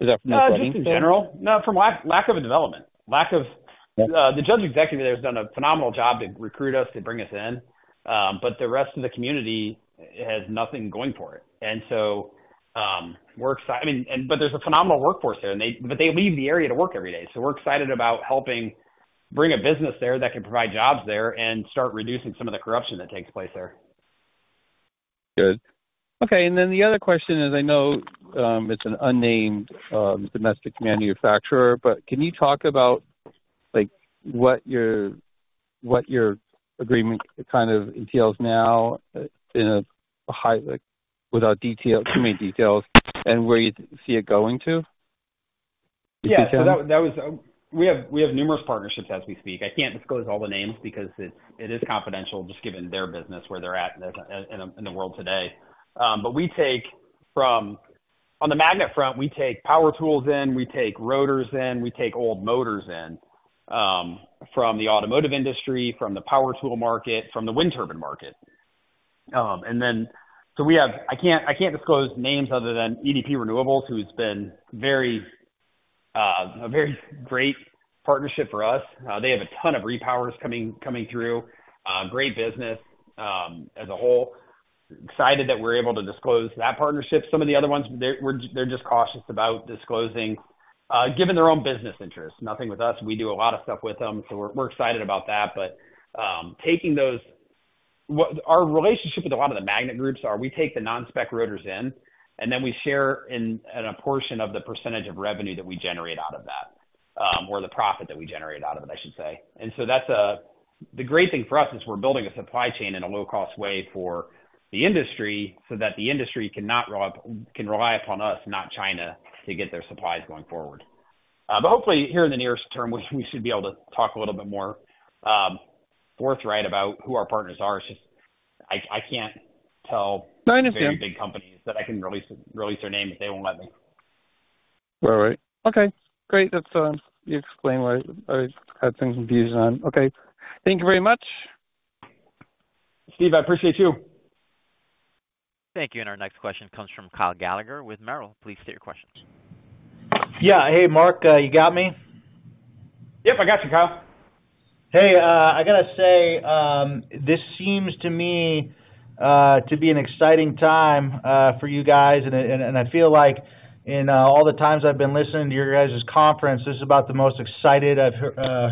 Speaker 7: Is that from flooding? Is that from flooding?
Speaker 2: Just in general? No, from lack of development. The Judge-Executive there has done a phenomenal job to recruit us, to bring us in. But the rest of the community has nothing going for it. And so we're excited. I mean, but there's a phenomenal workforce there. But they leave the area to work every day. So we're excited about helping bring a business there that can provide jobs there and start reducing some of the corruption that takes place there.
Speaker 7: Good. Okay. And then the other question is, I know it's an unnamed domestic manufacturer, but can you talk about what your agreement kind of entails now without too many details and where you see it going to?
Speaker 2: Yeah. So we have numerous partnerships as we speak. I can't disclose all the names because it is confidential just given their business, where they're at in the world today. But on the magnet front, we take power tools in. We take rotors in. We take old motors in from the automotive industry, from the power tool market, from the wind turbine market. And so I can't disclose names other than EDP Renewables, who's been a very great partnership for us. They have a ton of repowers coming through, great business as a whole. Excited that we're able to disclose that partnership. Some of the other ones, they're just cautious about disclosing given their own business interests, nothing with us. We do a lot of stuff with them. So we're excited about that. But taking those, our relationship with a lot of the magnet groups, are, we take the non-spec rotors in, and then we share a portion of the percentage of revenue that we generate out of that or the profit that we generate out of it, I should say. And so the great thing for us is we're building a supply chain in a low-cost way for the industry so that the industry can rely upon us, not China, to get their supplies going forward. But hopefully, here in the nearest term, we should be able to talk a little bit more forthright about who our partners are. It's just I can't tell very big companies that I can release their names if they won't let me.
Speaker 7: All right. Okay. Great. You explained why I had some confusion on. Okay. Thank you very much.
Speaker 2: Steve, I appreciate you.
Speaker 1: Thank you. Our next question comes from Kyle Gallagher with Merrill. Please state your questions.
Speaker 8: Yeah. Hey, Mark. You got me?
Speaker 2: Yep. I got you, Kyle.
Speaker 8: Hey, I got to say, this seems to me to be an exciting time for you guys. I feel like in all the times I've been listening to your guys' conference, this is about the most excited I've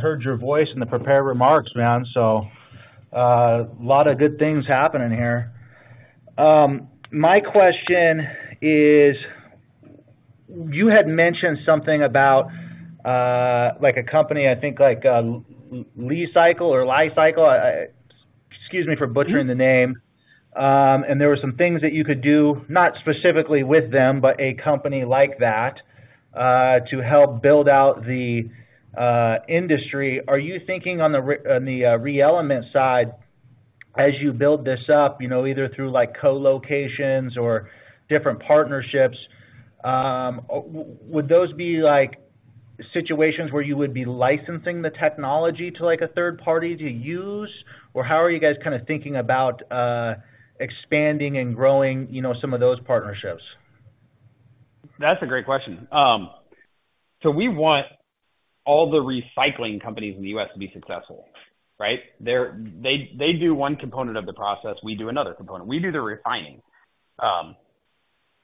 Speaker 8: heard your voice in the prepared remarks, man. A lot of good things happening here. My question is, you had mentioned something about a company, I think, like Li-Cycle - excuse me for butchering the name - and there were some things that you could do, not specifically with them, but a company like that to help build out the industry. Are you thinking on the ReElement side, as you build this up, either through co-locations or different partnerships, would those be situations where you would be licensing the technology to a third party to use? How are you guys kind of thinking about expanding and growing some of those partnerships?
Speaker 2: That's a great question. So we want all the recycling companies in the U.S. to be successful, right? They do one component of the process. We do another component. We do the refining.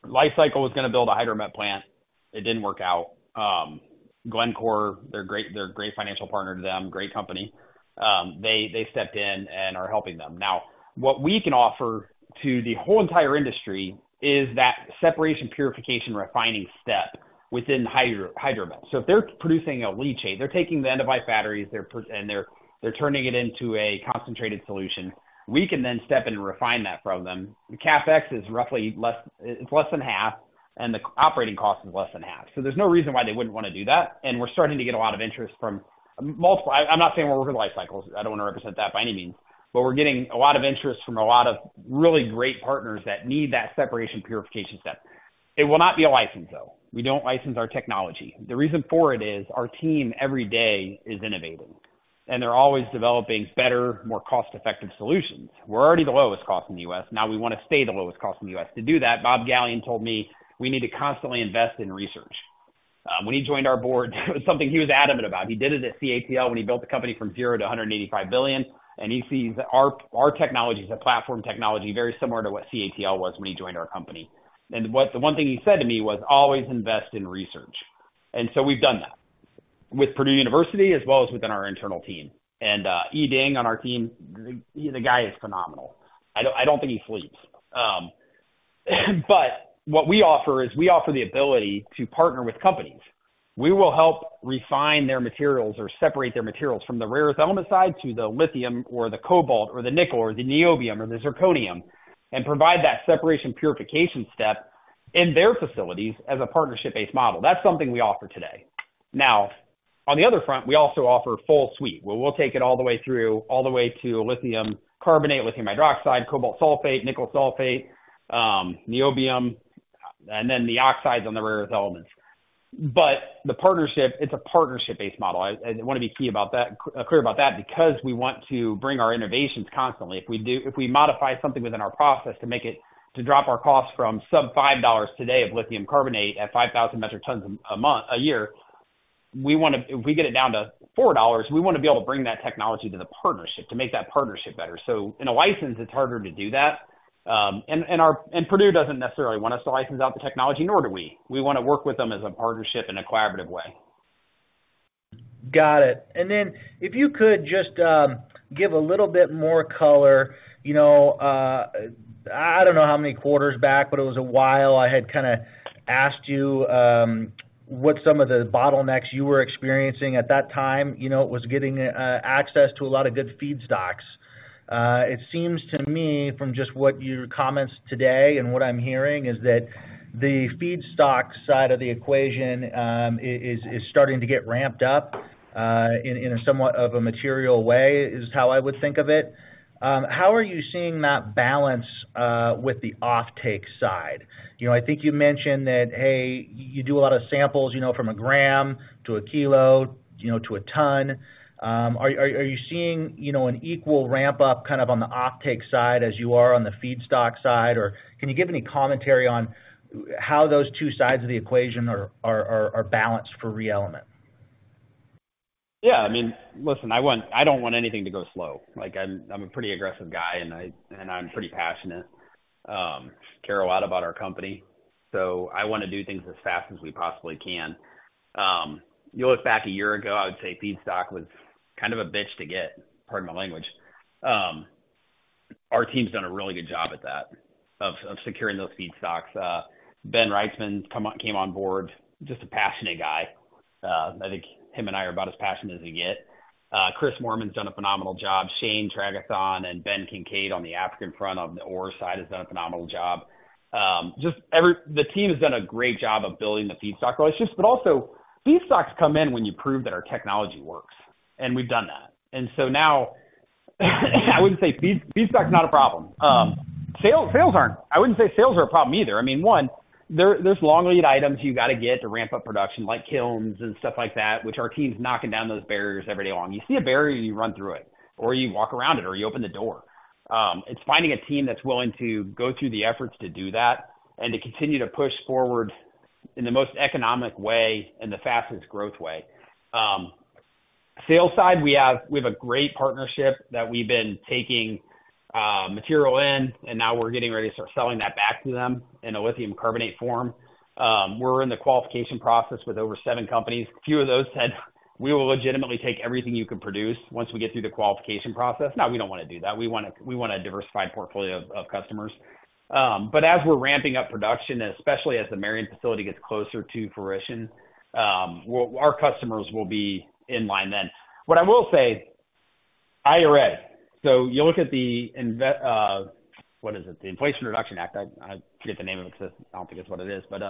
Speaker 2: Li-Cycle was going to build a Hydromet plant. It didn't work out. Glencore, they're a great financial partner to them, great company. They stepped in and are helping them. Now, what we can offer to the whole entire industry is that separation, purification, refining step within Hydromet. So if they're producing a black mass, they're taking the end-of-life batteries, and they're turning it into a concentrated solution. We can then step in and refine that from them. CapEx is roughly less, it's less than half, and the operating cost is less than half. So there's no reason why they wouldn't want to do that. And we're starting to get a lot of interest from multiple. I'm not saying we're over Li-Cycle. I don't want to represent that by any means. But we're getting a lot of interest from a lot of really great partners that need that separation, purification step. It will not be a license, though. We don't license our technology. The reason for it is our team every day is innovating, and they're always developing better, more cost-effective solutions. We're already the lowest cost in the U.S. Now, we want to stay the lowest cost in the U.S. To do that, Bob Galyen told me, "We need to constantly invest in research." When he joined our board, it was something he was adamant about. He did it at CATL when he built the company from 0 to $185 billion. And he sees our technology as a platform technology very similar to what CATL was when he joined our company. And the one thing he said to me was, "Always invest in research." And so we've done that with Purdue University as well as within our internal team. And Yi Ding on our team, the guy is phenomenal. I don't think he sleeps. But what we offer is we offer the ability to partner with companies. We will help refine their materials or separate their materials from the rare earth element side to the lithium or the cobalt or the nickel or the niobium or the zirconium and provide that separation, purification step in their facilities as a partnership-based model. That's something we offer today. Now, on the other front, we also offer full suite. We'll take it all the way through, all the way to lithium carbonate, lithium hydroxide, cobalt sulfate, nickel sulfate, niobium, and then the oxides on the rare earth elements. But it's a partnership-based model. I want to be clear about that because we want to bring our innovations constantly. If we modify something within our process to drop our costs from sub-$5 today of lithium carbonate at 5,000 metric tons a year, if we get it down to $4, we want to be able to bring that technology to the partnership to make that partnership better. So in a license, it's harder to do that. And Purdue doesn't necessarily want us to license out the technology, nor do we. We want to work with them as a partnership in a collaborative way.
Speaker 8: Got it. Then if you could just give a little bit more color. I don't know how many quarters back, but it was a while I had kind of asked you what some of the bottlenecks you were experiencing at that time. It was getting access to a lot of good feedstocks. It seems to me, from just what your comments today and what I'm hearing, is that the feedstock side of the equation is starting to get ramped up in a somewhat material way is how I would think of it. How are you seeing that balance with the offtake side? I think you mentioned that, hey, you do a lot of samples from a gram to a kilo to a ton. Are you seeing an equal ramp-up kind of on the offtake side as you are on the feedstock side? Or can you give any commentary on how those two sides of the equation are balanced for ReElement?
Speaker 2: Yeah. I mean, listen, I don't want anything to go slow. I'm a pretty aggressive guy, and I'm pretty passionate. Care a lot about our company. So I want to do things as fast as we possibly can. You'll look back a year ago, I would say feedstock was kind of a bitch to get - pardon my language - our team's done a really good job at that, of securing those feedstocks. Ben Wrightsman came on board, just a passionate guy. I think him and I are about as passionate as we get. Chris Moorman has done a phenomenal job. Shane Tragethon and Ben Kincaid on the African front on the ore side have done a phenomenal job. The team has done a great job of building the feedstock relationships. But also, feedstocks come in when you prove that our technology works. And we've done that. And so now, I wouldn't say feedstock's not a problem. Sales aren't. I wouldn't say sales are a problem either. I mean, one, there's long lead items you got to get to ramp up production like kilns and stuff like that, which our team's knocking down those barriers every day long. You see a barrier, you run through it, or you walk around it, or you open the door. It's finding a team that's willing to go through the efforts to do that and to continue to push forward in the most economic way and the fastest growth way. Sales side, we have a great partnership that we've been taking material in, and now we're getting ready to start selling that back to them in a lithium carbonate form. We're in the qualification process with over seven companies. A few of those said, "We will legitimately take everything you can produce once we get through the qualification process." No, we don't want to do that. We want a diversified portfolio of customers. But as we're ramping up production, especially as the Marion facility gets closer to fruition, our customers will be in line then. What I will say, IRA so you'll look at the what is it? The Inflation Reduction Act. I forget the name of it because I don't think it's what it is. But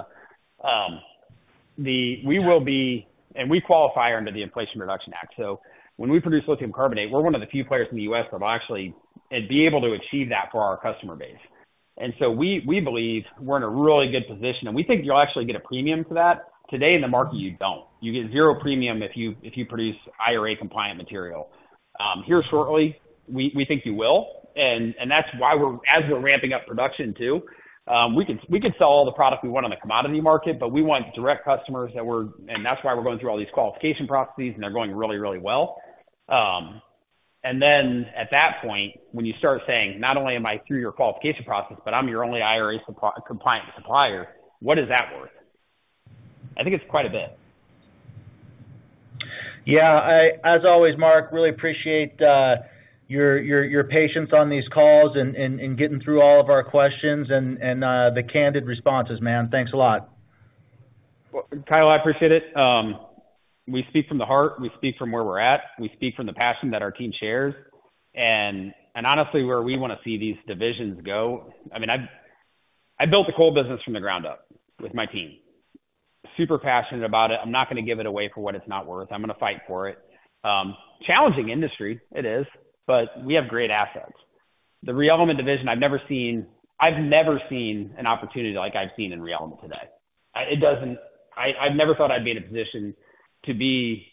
Speaker 2: we will be and we qualify under the Inflation Reduction Act. So when we produce lithium carbonate, we're one of the few players in the U.S. that will actually be able to achieve that for our customer base. And so we believe we're in a really good position. And we think you'll actually get a premium for that. Today, in the market, you don't. You get zero premium if you produce IRA-compliant material. Here shortly, we think you will. And that's why, as we're ramping up production too, we could sell all the product we want on the commodity market, but we want direct customers that we're and that's why we're going through all these qualification processes, and they're going really, really well. And then at that point, when you start saying, "Not only am I through your qualification process, but I'm your only IRA-compliant supplier," what is that worth? I think it's quite a bit.
Speaker 8: Yeah. As always, Mark, really appreciate your patience on these calls and getting through all of our questions and the candid responses, man. Thanks a lot.
Speaker 2: Kyle, I appreciate it. We speak from the heart. We speak from where we're at. We speak from the passion that our team shares. And honestly, where we want to see these divisions go, I mean, I built the coal business from the ground up with my team, super passionate about it. I'm not going to give it away for what it's not worth. I'm going to fight for it. Challenging industry, it is, but we have great assets. The ReElement division, I've never seen an opportunity like I've seen in ReElement today. I've never thought I'd be in a position to be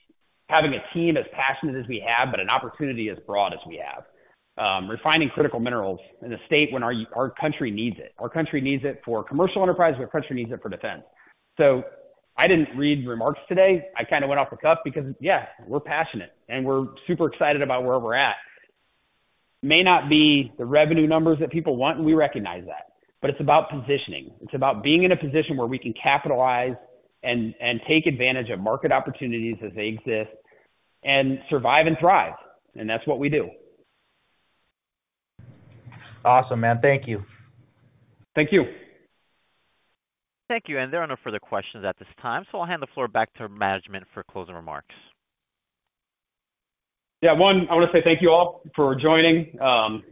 Speaker 2: having a team as passionate as we have, but an opportunity as broad as we have, refining critical minerals in a state when our country needs it. Our country needs it for commercial enterprise. Our country needs it for defense. So I didn't read remarks today. I kind of went off the cuff because, yeah, we're passionate, and we're super excited about where we're at. It may not be the revenue numbers that people want, and we recognize that. But it's about positioning. It's about being in a position where we can capitalize and take advantage of market opportunities as they exist and survive and thrive. And that's what we do.
Speaker 8: Awesome, man. Thank you.
Speaker 2: Thank you.
Speaker 1: Thank you. There are no further questions at this time. I'll hand the floor back to management for closing remarks.
Speaker 2: Yeah. One, I want to say thank you all for joining.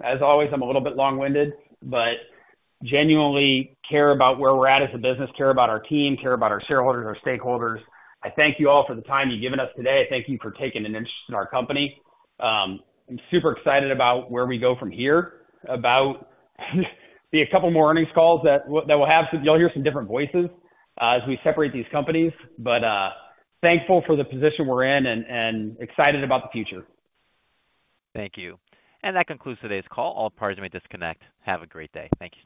Speaker 2: As always, I'm a little bit long-winded, but genuinely care about where we're at as a business, care about our team, care about our shareholders, our stakeholders. I thank you all for the time you've given us today. I thank you for taking an interest in our company. I'm super excited about where we go from here, about the a couple more earnings calls that we'll have. You'll hear some different voices as we separate these companies. But thankful for the position we're in and excited about the future.
Speaker 1: Thank you. And that concludes today's call. All parties may disconnect. Have a great day. Thank you.